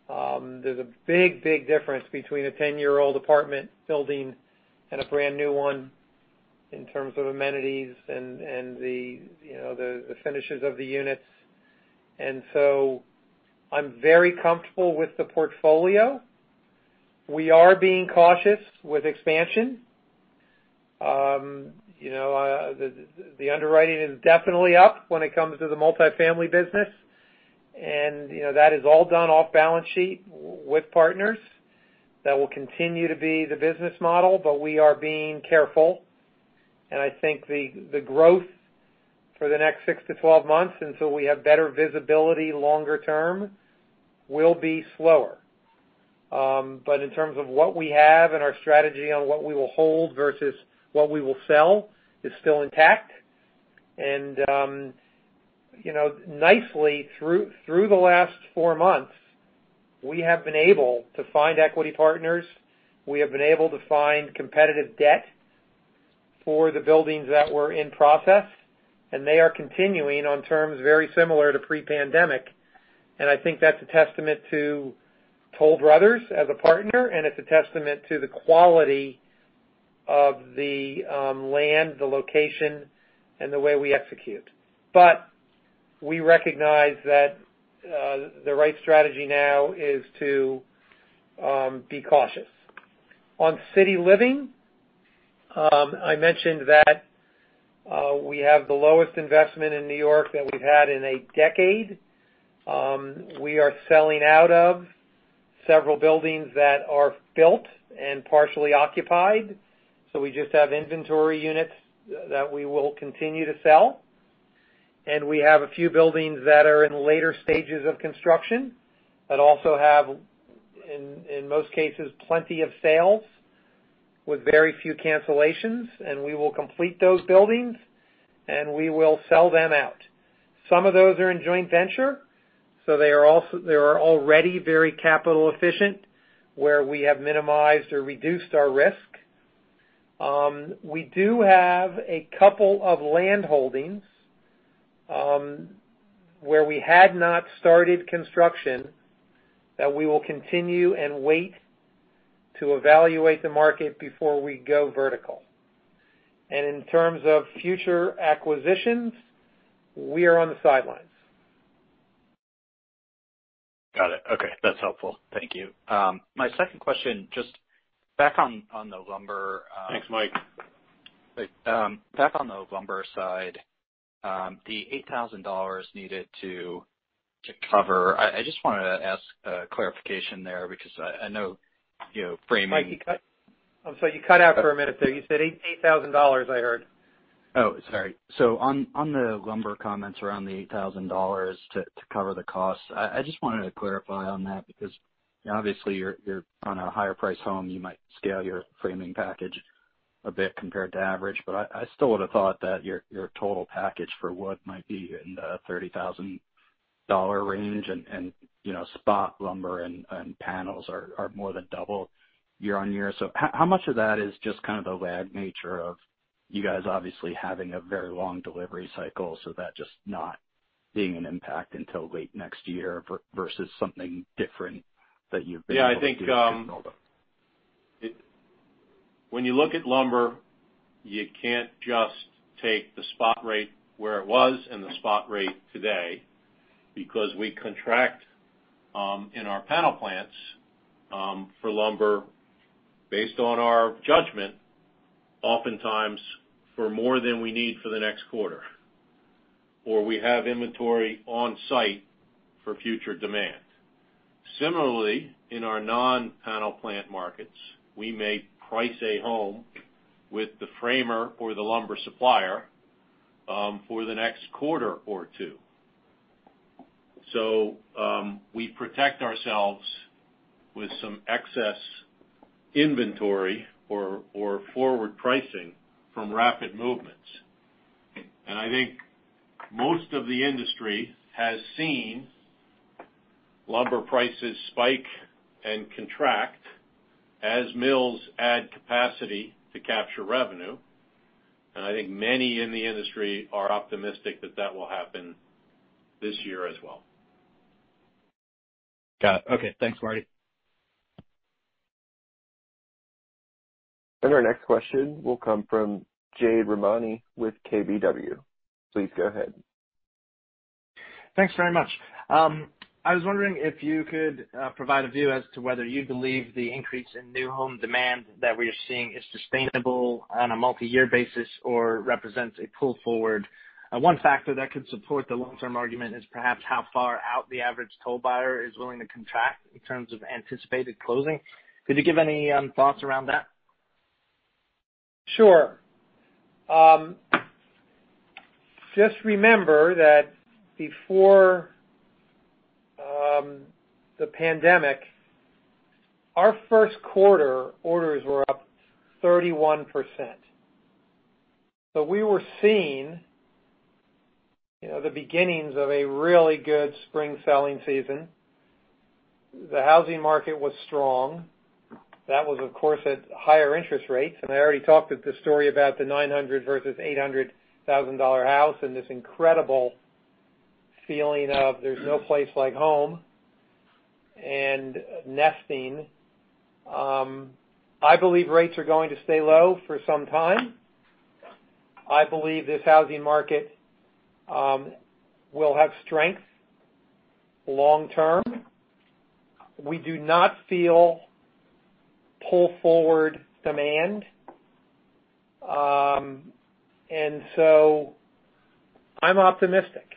There's a big difference between a 10-year-old apartment building and a brand-new one in terms of amenities and the finishes of the units. I'm very comfortable with the portfolio. We are being cautious with expansion. The underwriting is definitely up when it comes to the multifamily business, and that is all done off-balance sheet with partners. That will continue to be the business model, but we are being careful, and I think the growth for the next six to 12 months, until we have better visibility longer term, will be slower. In terms of what we have and our strategy on what we will hold versus what we will sell is still intact. Nicely, through the last four months, we have been able to find equity partners. We have been able to find competitive debt for the buildings that were in process, and they are continuing on terms very similar to pre-pandemic. I think that's a testament to Toll Brothers as a partner, and it's a testament to the quality of the land, the location, and the way we execute. We recognize that the right strategy now is to be cautious. On City Living, I mentioned that we have the lowest investment in New York that we've had in a decade. We are selling out of several buildings that are built and partially occupied, so we just have inventory units that we will continue to sell. We have a few buildings that are in later stages of construction that also have, in most cases, plenty of sales with very few cancellations, and we will complete those buildings, and we will sell them out. Some of those are in joint venture, so they are already very capital efficient, where we have minimized or reduced our risk. We do have a couple of land holdings where we had not started construction that we will continue and wait to evaluate the market before we go vertical. In terms of future acquisitions, we are on the sidelines. Got it. Okay. That's helpful. Thank you. My second question, just back on the lumber. Thanks, Mike. Back on the lumber side, the $8,000 needed to cover. I just wanted to ask clarification there because I know framing- Mike, I'm sorry, you cut out for a minute there. You said $8,000, I heard. Oh, sorry. On the lumber comments around the $8,000 to cover the cost, I just wanted to clarify on that because obviously, you're on a higher-priced home. You might scale your framing package a bit compared to average, but I still would've thought that your total package for wood might be in the $30,000 range, and spot lumber and panels are more than double year-over-year. How much of that is just kind of the lag nature of you guys obviously having a very long delivery cycle so that's just not being an impact until late next year versus something different that you've been able to control? Yeah, I think when you look at lumber, you can't just take the spot rate where it was and the spot rate today because we contract in our panel plants for lumber based on our judgment, oftentimes for more than we need for the next quarter, or we have inventory on-site for future demand. Similarly, in our non-panel plant markets, we may price a home with the framer or the lumber supplier for the next quarter or two. We protect ourselves with some excess inventory or forward pricing from rapid movements. I think most of the industry has seen lumber prices spike and contract as mills add capacity to capture revenue, and I think many in the industry are optimistic that that will happen this year as well. Got it. Okay. Thanks, Martin. Our next question will come from Jade Rahmani with KBW. Please go ahead Thanks very much. I was wondering if you could provide a view as to whether you believe the increase in new home demand that we are seeing is sustainable on a multi-year basis or represents a pull forward. One factor that could support the long-term argument is perhaps how far out the average Toll buyer is willing to contract in terms of anticipated closing. Could you give any thoughts around that? Sure. Just remember that before the pandemic, our first quarter orders were up 31%. We were seeing the beginnings of a really good spring selling season. The housing market was strong. That was, of course, at higher interest rates, and I already talked the story about the $900 versus $800,000 house, and this incredible feeling of there's no place like home and nesting. I believe rates are going to stay low for some time. I believe this housing market will have strength long term. We do not feel pull forward demand. I'm optimistic.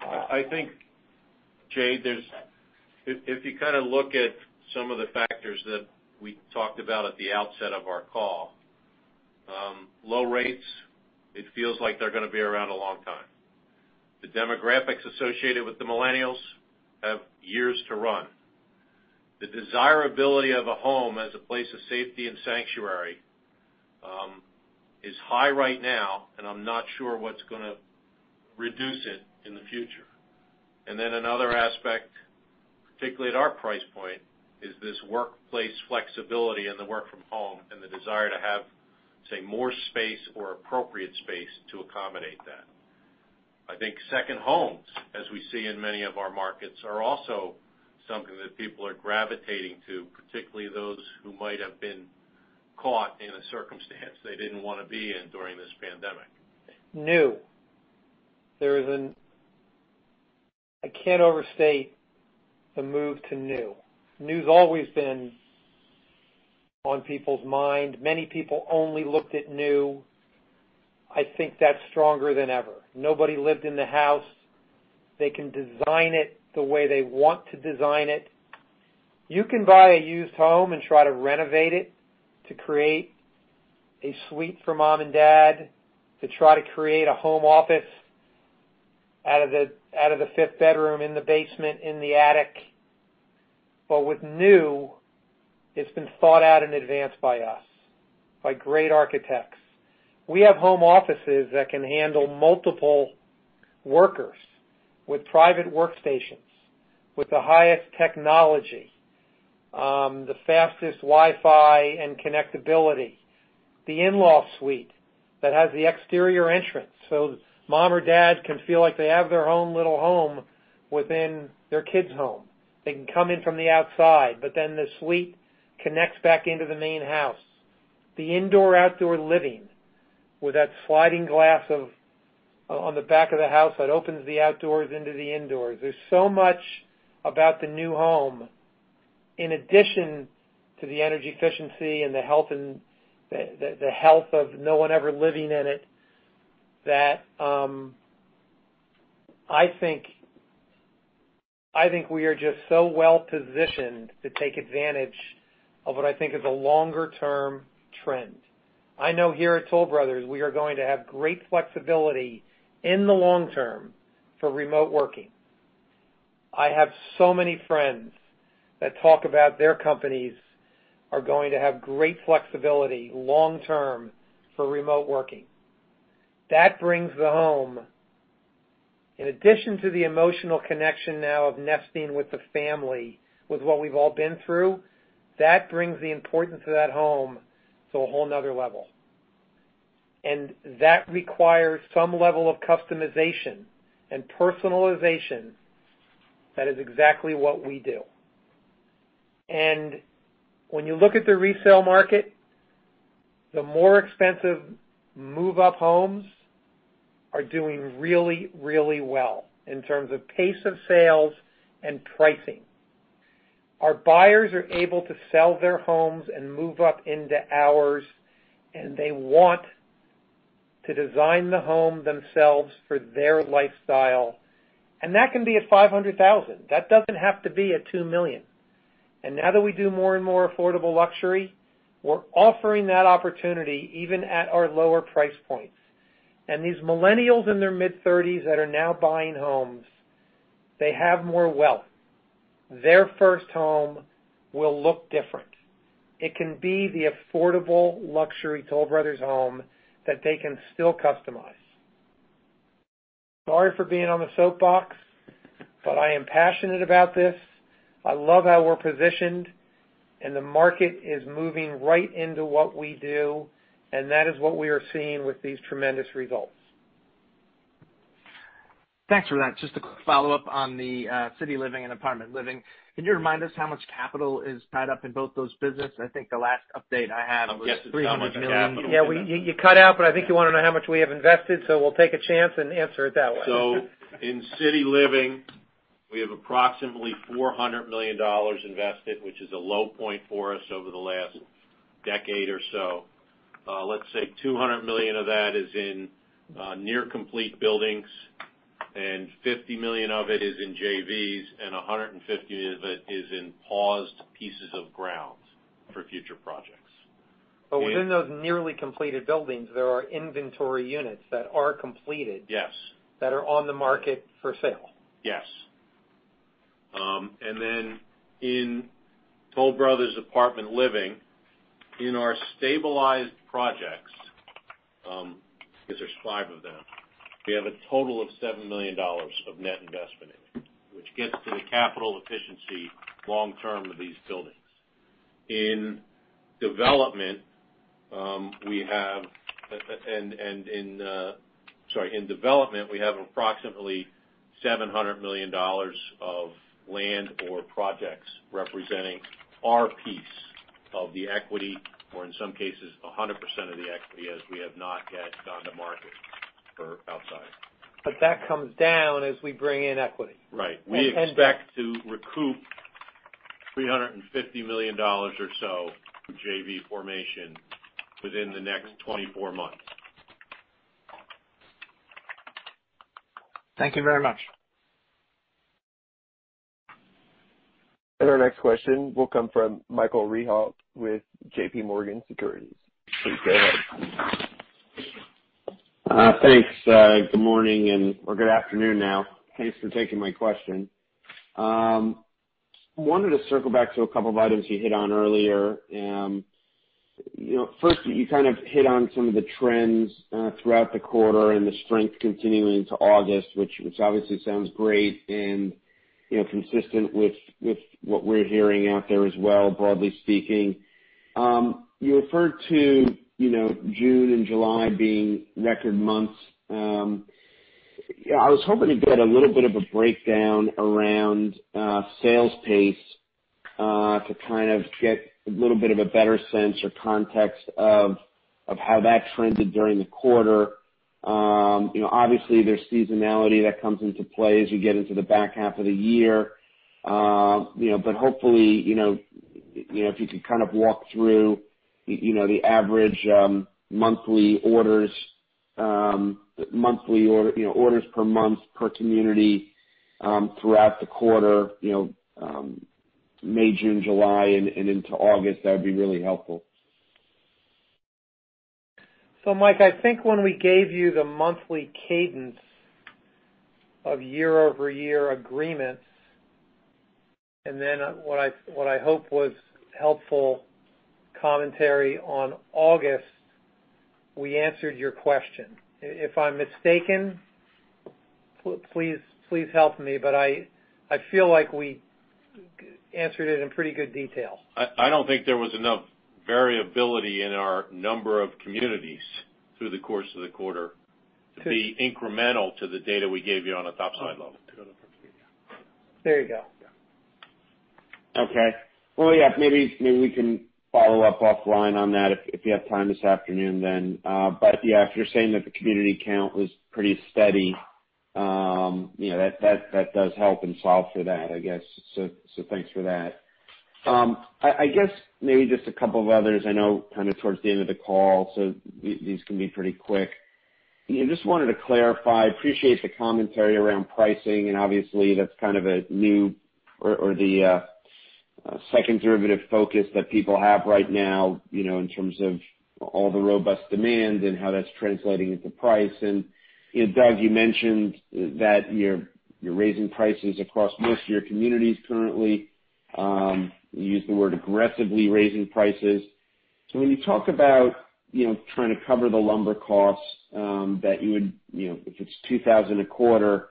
I think, Jade, if you kind of look at some of the factors that we talked about at the outset of our call. Low rates, it feels like they're going to be around a long time. The demographics associated with the millennials have years to run. The desirability of a home as a place of safety and sanctuary is high right now, and I'm not sure what's going to reduce it in the future. Another aspect, particularly at our price point, is this workplace flexibility and the work from home and the desire to have, say, more space or appropriate space to accommodate that. I think second homes, as we see in many of our markets, are also something that people are gravitating to, particularly those who might have been caught in a circumstance they didn't want to be in during this pandemic. New. I can't overstate the move to new. New's always been on people's mind. Many people only looked at new. I think that's stronger than ever. Nobody lived in the house. They can design it the way they want to design it. You can buy a used home and try to renovate it to create a suite for mom and dad, to try to create a home office out of the fifth bedroom in the basement, in the attic. With new, it's been thought out in advance by us, by great architects. We have home offices that can handle multiple workers with private workstations, with the highest technology, the fastest Wi-Fi and connectability. The in-law suite that has the exterior entrance, mom or dad can feel like they have their own little home within their kids' home. They can come in from the outside, the suite connects back into the main house. The indoor-outdoor living with that sliding glass on the back of the house that opens the outdoors into the indoors. There's so much about the new home in addition to the energy efficiency and the health of no one ever living in it that, I think we are just so well-positioned to take advantage of what I think is a longer-term trend. I know here at Toll Brothers, we are going to have great flexibility in the long term for remote working. I have so many friends that talk about their companies are going to have great flexibility long term for remote working. That brings the home. In addition to the emotional connection now of nesting with the family, with what we've all been through, that brings the importance of that home to a whole other level. That requires some level of customization and personalization. That is exactly what we do. When you look at the resale market, the more expensive move-up homes are doing really, really well in terms of pace of sales and pricing. Our buyers are able to sell their homes and move up into ours, and they want to design the home themselves for their lifestyle. That can be at $500,000. That doesn't have to be at $2 million. Now that we do more and more affordable luxury, we're offering that opportunity even at our lower price points. These millennials in their mid-30s that are now buying homes, they have more wealth. Their first home will look different. It can be the affordable luxury Toll Brothers home that they can still customize. Sorry for being on a soapbox. I am passionate about this. I love how we're positioned. The market is moving right into what we do, and that is what we are seeing with these tremendous results. Thanks for that. Just a quick follow-up on the City Living and Apartment Living. Can you remind us how much capital is tied up in both those business? I think the last update I had was $300 million. I guess it's how much capital. Yeah, you cut out, but I think you want to know how much we have invested, so we'll take a chance and answer it that way. In City Living, we have approximately $400 million invested, which is a low point for us over the last decade or so. Let's say $200 million of that is in near complete buildings, and $50 million of it is in JVs, and $150 million of it is in paused pieces of ground for future projects. Within those nearly completed buildings, there are inventory units that are completed. Yes That are on the market for sale. Yes. In Toll Brothers Apartment Living, in our stabilized projects, because there's five of them, we have a total of $7 million of net investment in, which gets to the capital efficiency long-term of these buildings. In development, we have approximately $700 million of land or projects representing our piece of the equity, or in some cases, 100% of the equity, as we have not yet gone to market for outside. That comes down as we bring in equity. Right. We expect to recoup $350 million or so from JV formation within the next 24 months. Thank you very much. Our next question will come from Michael Rehaut with JPMorgan Securities. Please go ahead. Thanks. Good morning, or good afternoon now. Thanks for taking my question. I wanted to circle back to a couple of items you hit on earlier. First, you kind of hit on some of the trends, throughout the quarter and the strength continuing into August, which obviously sounds great and consistent with what we're hearing out there as well, broadly speaking. You referred to June and July being record months. I was hoping to get a little bit of a breakdown around sales pace, to kind of get a little bit of a better sense or context of how that trended during the quarter. Obviously, there's seasonality that comes into play as you get into the back half of the year. Hopefully, if you could kind of walk through the average monthly orders per month per community, throughout the quarter, May, June, July, and into August, that'd be really helpful. Mike, I think when we gave you the monthly cadence of year-over-year agreements, and then what I hope was helpful commentary on August, we answered your question. If I'm mistaken, please help me, but I feel like we answered it in pretty good detail. I don't think there was enough variability in our number of communities through the course of the quarter to be incremental to the data we gave you on a top-side level. There you go. Well, yeah. Maybe we can follow up offline on that if you have time this afternoon, then. Yeah, if you're saying that the community count was pretty steady, that does help and solve for that, I guess. Thanks for that. Maybe just a couple of others. I know kind of towards the end of the call, so these can be pretty quick. Just wanted to clarify, appreciate the commentary around pricing, and obviously that's kind of a new or the second derivative focus that people have right now, in terms of all the robust demands and how that's translating into price. Doug, you mentioned that you're raising prices across most of your communities currently. You used the word aggressively raising prices. When you talk about trying to cover the lumber costs, that if it's $2,000 a quarter,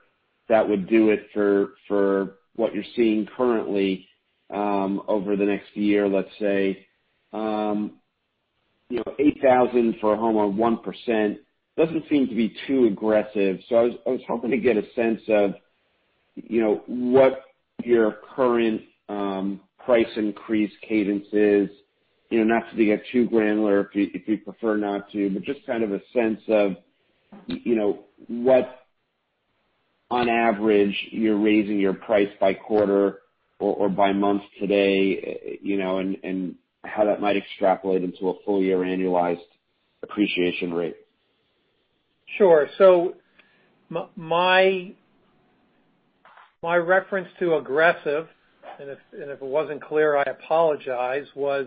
that would do it for what you're seeing currently, over the next year, let's say. $8,000 for a home or 1% doesn't seem to be too aggressive. I was hoping to get a sense of what your current price increase cadence is, not to get too granular if you prefer not to, but just kind of a sense of what on average you're raising your price by quarter or by month today, and how that might extrapolate into a full-year annualized appreciation rate. Sure. My reference to aggressive, and if it wasn't clear, I apologize, was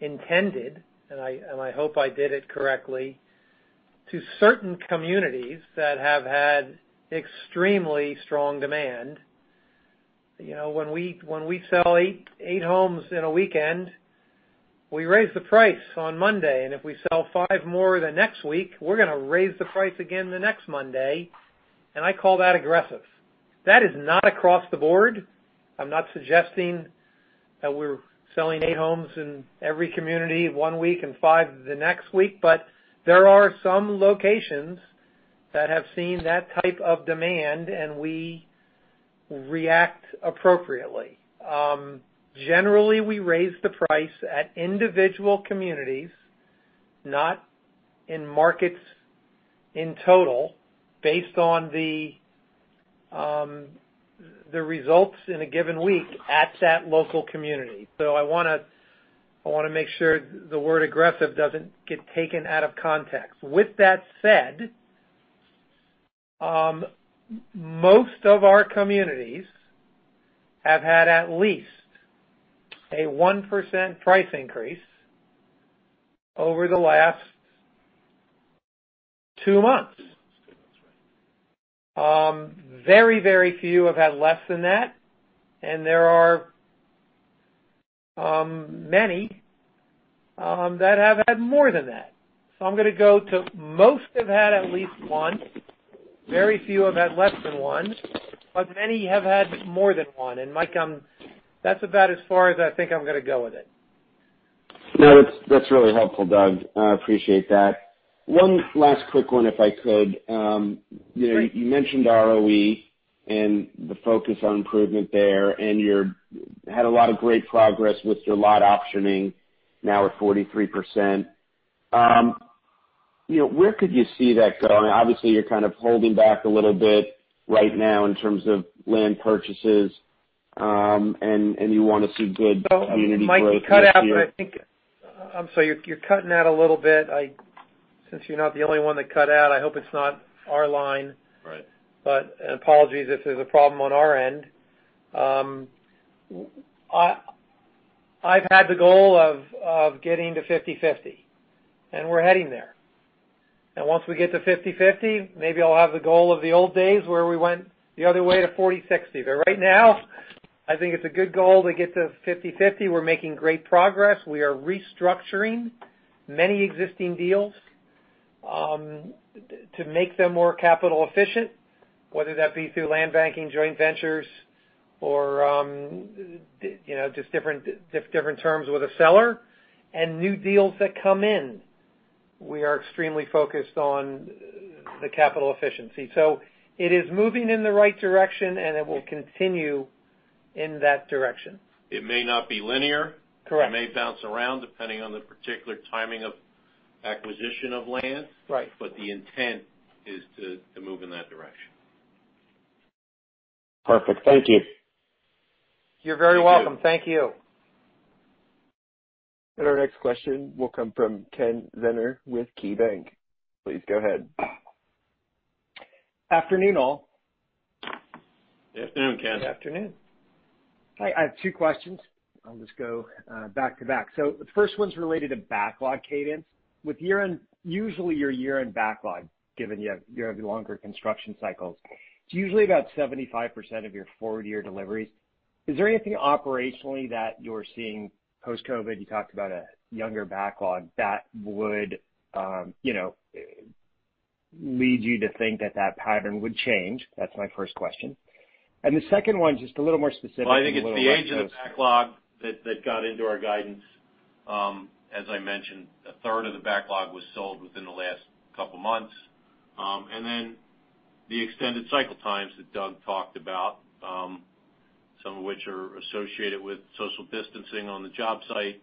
intended, and I hope I did it correctly, to certain communities that have had extremely strong demand. When we sell eight homes in a weekend, we raise the price on Monday, and if we sell five more the next week, we're going to raise the price again the next Monday, and I call that aggressive. That is not across the board. I'm not suggesting that we're selling eight homes in every community one week and five the next week. There are some locations that have seen that type of demand, and we react appropriately. Generally, we raise the price at individual communities, not in markets in total, based on the results in a given week at that local community. I want to make sure the word aggressive doesn't get taken out of context. With that said, most of our communities have had at least a 1% price increase over the last two months. Very few have had less than that, and there are many that have had more than that. I'm going to go to most have had at least one, very few have had less than one, but many have had more than one. Mike, that's about as far as I think I'm going to go with it. No, that's really helpful, Doug. I appreciate that. One last quick one, if I could. You mentioned ROE and the focus on improvement there, and you had a lot of great progress with your lot optioning, now at 43%. Where could you see that going? Obviously, you're kind of holding back a little bit right now in terms of land purchases, and you want to see good community growth next year. Mike, you cut out, I'm sorry, you're cutting out a little bit. Since you're not the only one that cut out, I hope it's not our line. Right. Apologies if there's a problem on our end. I've had the goal of getting to 50/50, and we're heading there. Once we get to 50/50, maybe I'll have the goal of the old days where we went the other way to 40/60. Right now, I think it's a good goal to get to 50/50. We're making great progress. We are restructuring many existing deals to make them more capital efficient, whether that be through land banking, joint ventures, or just different terms with a seller, and new deals that come in. We are extremely focused on the capital efficiency. It is moving in the right direction, and it will continue in that direction. It may not be linear. Correct. It may bounce around depending on the particular timing of acquisition of land. Right. The intent is to move in that direction. Perfect. Thank you. You're very welcome. Thank you. Our next question will come from Ken Zener with KeyBanc. Please go ahead. Afternoon, all. Afternoon, Ken. Good afternoon. Hi, I have two questions. I'll just go back to back. The first one's related to backlog cadence. With year-end, usually your year-end backlog, given you have longer construction cycles, it's usually about 75% of your forward-year deliveries. Is there anything operationally that you're seeing post-COVID, you talked about a younger backlog, that would lead you to think that that pattern would change? That's my first question. The second one, just a little more specific and a little West Coast- Well, I think it's the age of the backlog that got into our guidance. As I mentioned, a third of the backlog was sold within the last couple of months. Then the extended cycle times that Doug talked about, some of which are associated with social distancing on the job site.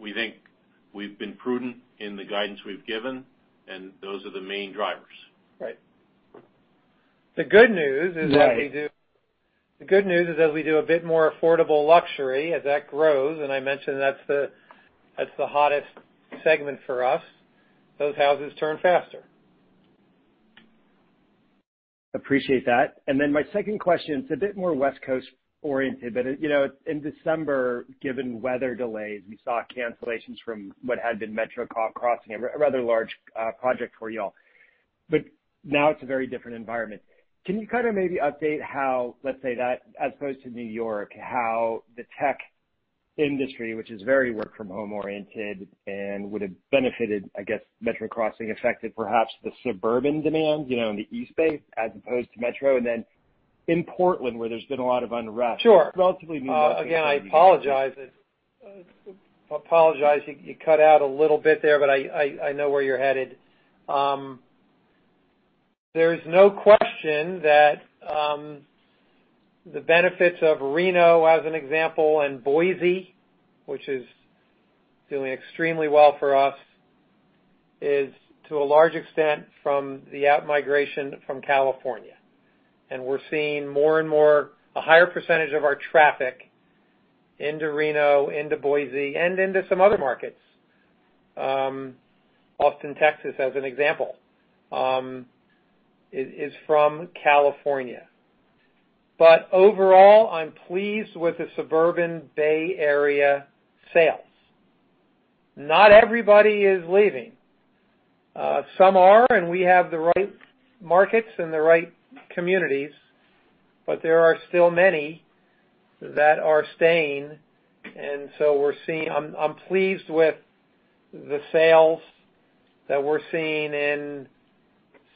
We think we've been prudent in the guidance we've given, and those are the main drivers. Right. The good news is that we do. Right. The good news is that we do a bit more affordable luxury as that grows. I mentioned that's the hottest segment for us. Those houses turn faster. Appreciate that. My second question is a bit more West Coast oriented, but in December, given weather delays, we saw cancellations from what had been Metro Crossing, a rather large project for you all. Now it's a very different environment. Can you kind of maybe update how, let's say that as opposed to New York, how the tech industry, which is very work from home oriented and would've benefited, I guess, Metro Crossing affected perhaps the suburban demand in the East Bay, as opposed to Metro? In Portland, where there's been a lot of unrest. Sure Relatively new Again, I apologize. You cut out a little bit there, but I know where you're headed. There's no question that the benefits of Reno, as an example, and Boise, which is doing extremely well for us, is to a large extent from the outmigration from California. We're seeing more and more, a higher percentage of our traffic into Reno, into Boise, and into some other markets. Austin, Texas, as an example, is from California. Overall, I'm pleased with the suburban Bay Area sales. Not everybody is leaving. Some are, and we have the right markets and the right communities, but there are still many that are staying. I'm pleased with the sales that we're seeing in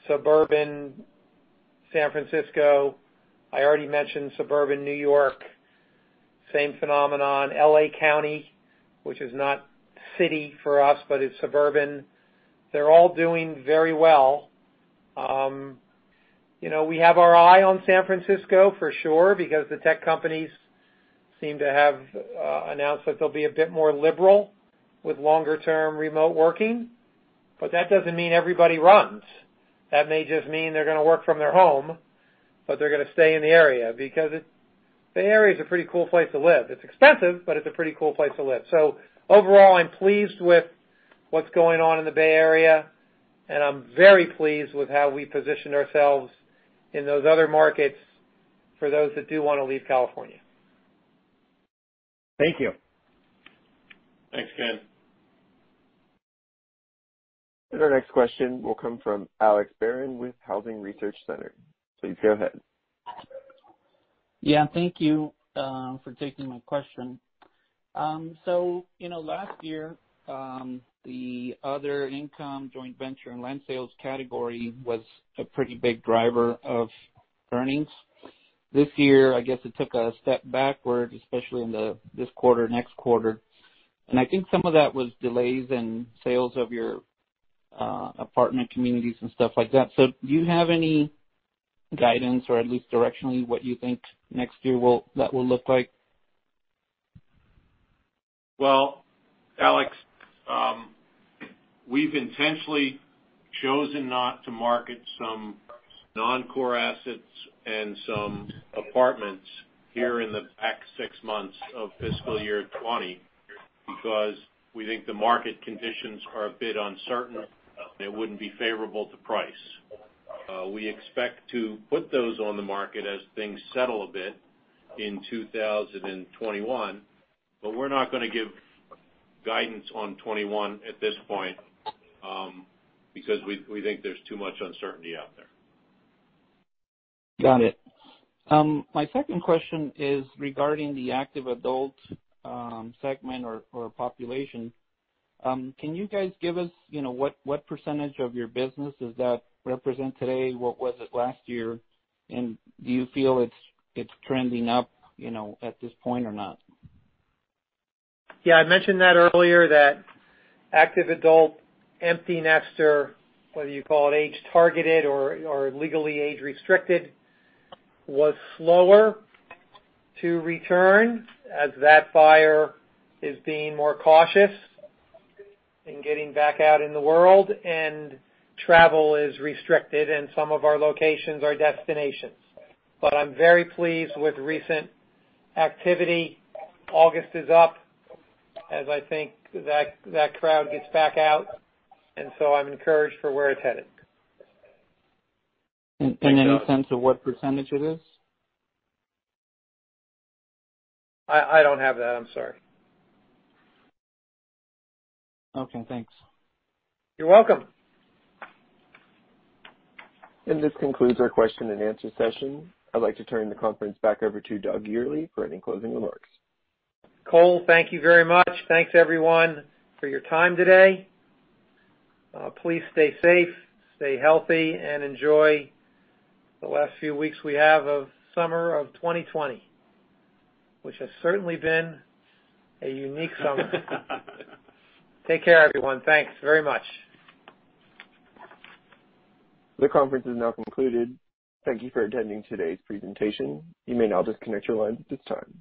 suburban San Francisco. I already mentioned suburban New York, same phenomenon. L.A. County, which is not city for us, but it's suburban. They're all doing very well. We have our eye on San Francisco for sure, because the tech companies seem to have announced that they'll be a bit more liberal with longer-term remote working. That doesn't mean everybody runs. That may just mean they're going to work from their home, but they're going to stay in the area because the area is a pretty cool place to live. It's expensive, but it's a pretty cool place to live. Overall, I'm pleased with what's going on in the Bay Area, and I'm very pleased with how we positioned ourselves in those other markets for those that do want to leave California. Thank you. Thanks, Ken. Our next question will come from Alex Barron with Housing Research Center. Please go ahead. Yeah, thank you for taking my question. Last year, the other income joint venture and land sales category was a pretty big driver of earnings. This year, I guess it took a step backward, especially in this quarter, next quarter. I think some of that was delays in sales of your apartment communities and stuff like that. Do you have any guidance or at least directionally what you think next year that will look like? Well, Alex, we've intentionally chosen not to market some non-core assets and some apartments here in the next six months of fiscal year 2020 because we think the market conditions are a bit uncertain. They wouldn't be favorable to price. We expect to put those on the market as things settle a bit in 2021, but we're not going to give guidance on 2021 at this point, because we think there's too much uncertainty out there. Got it. My second question is regarding the active adult segment or population. Can you guys give us what percentage of your business does that represent today? What was it last year? Do you feel it's trending up at this point or not? Yeah, I mentioned that earlier, that active adult, empty nester, whether you call it age-targeted or legally age-restricted, was slower to return as that buyer is being more cautious in getting back out in the world, and travel is restricted in some of our locations or destinations. I'm very pleased with recent activity. August is up as I think that crowd gets back out, and so I'm encouraged for where it's headed. Any sense of what % it is? I don't have that. I'm sorry. Okay, thanks. You're welcome. This concludes our question-and-answer session. I'd like to turn the conference back over to Doug Yearley for any closing remarks. Cole, thank you very much. Thanks, everyone, for your time today. Please stay safe, stay healthy, and enjoy the last few weeks we have of summer of 2020, which has certainly been a unique summer. Take care, everyone. Thanks very much. The conference is now concluded. Thank you for attending today's presentation. You may now disconnect your lines at this time.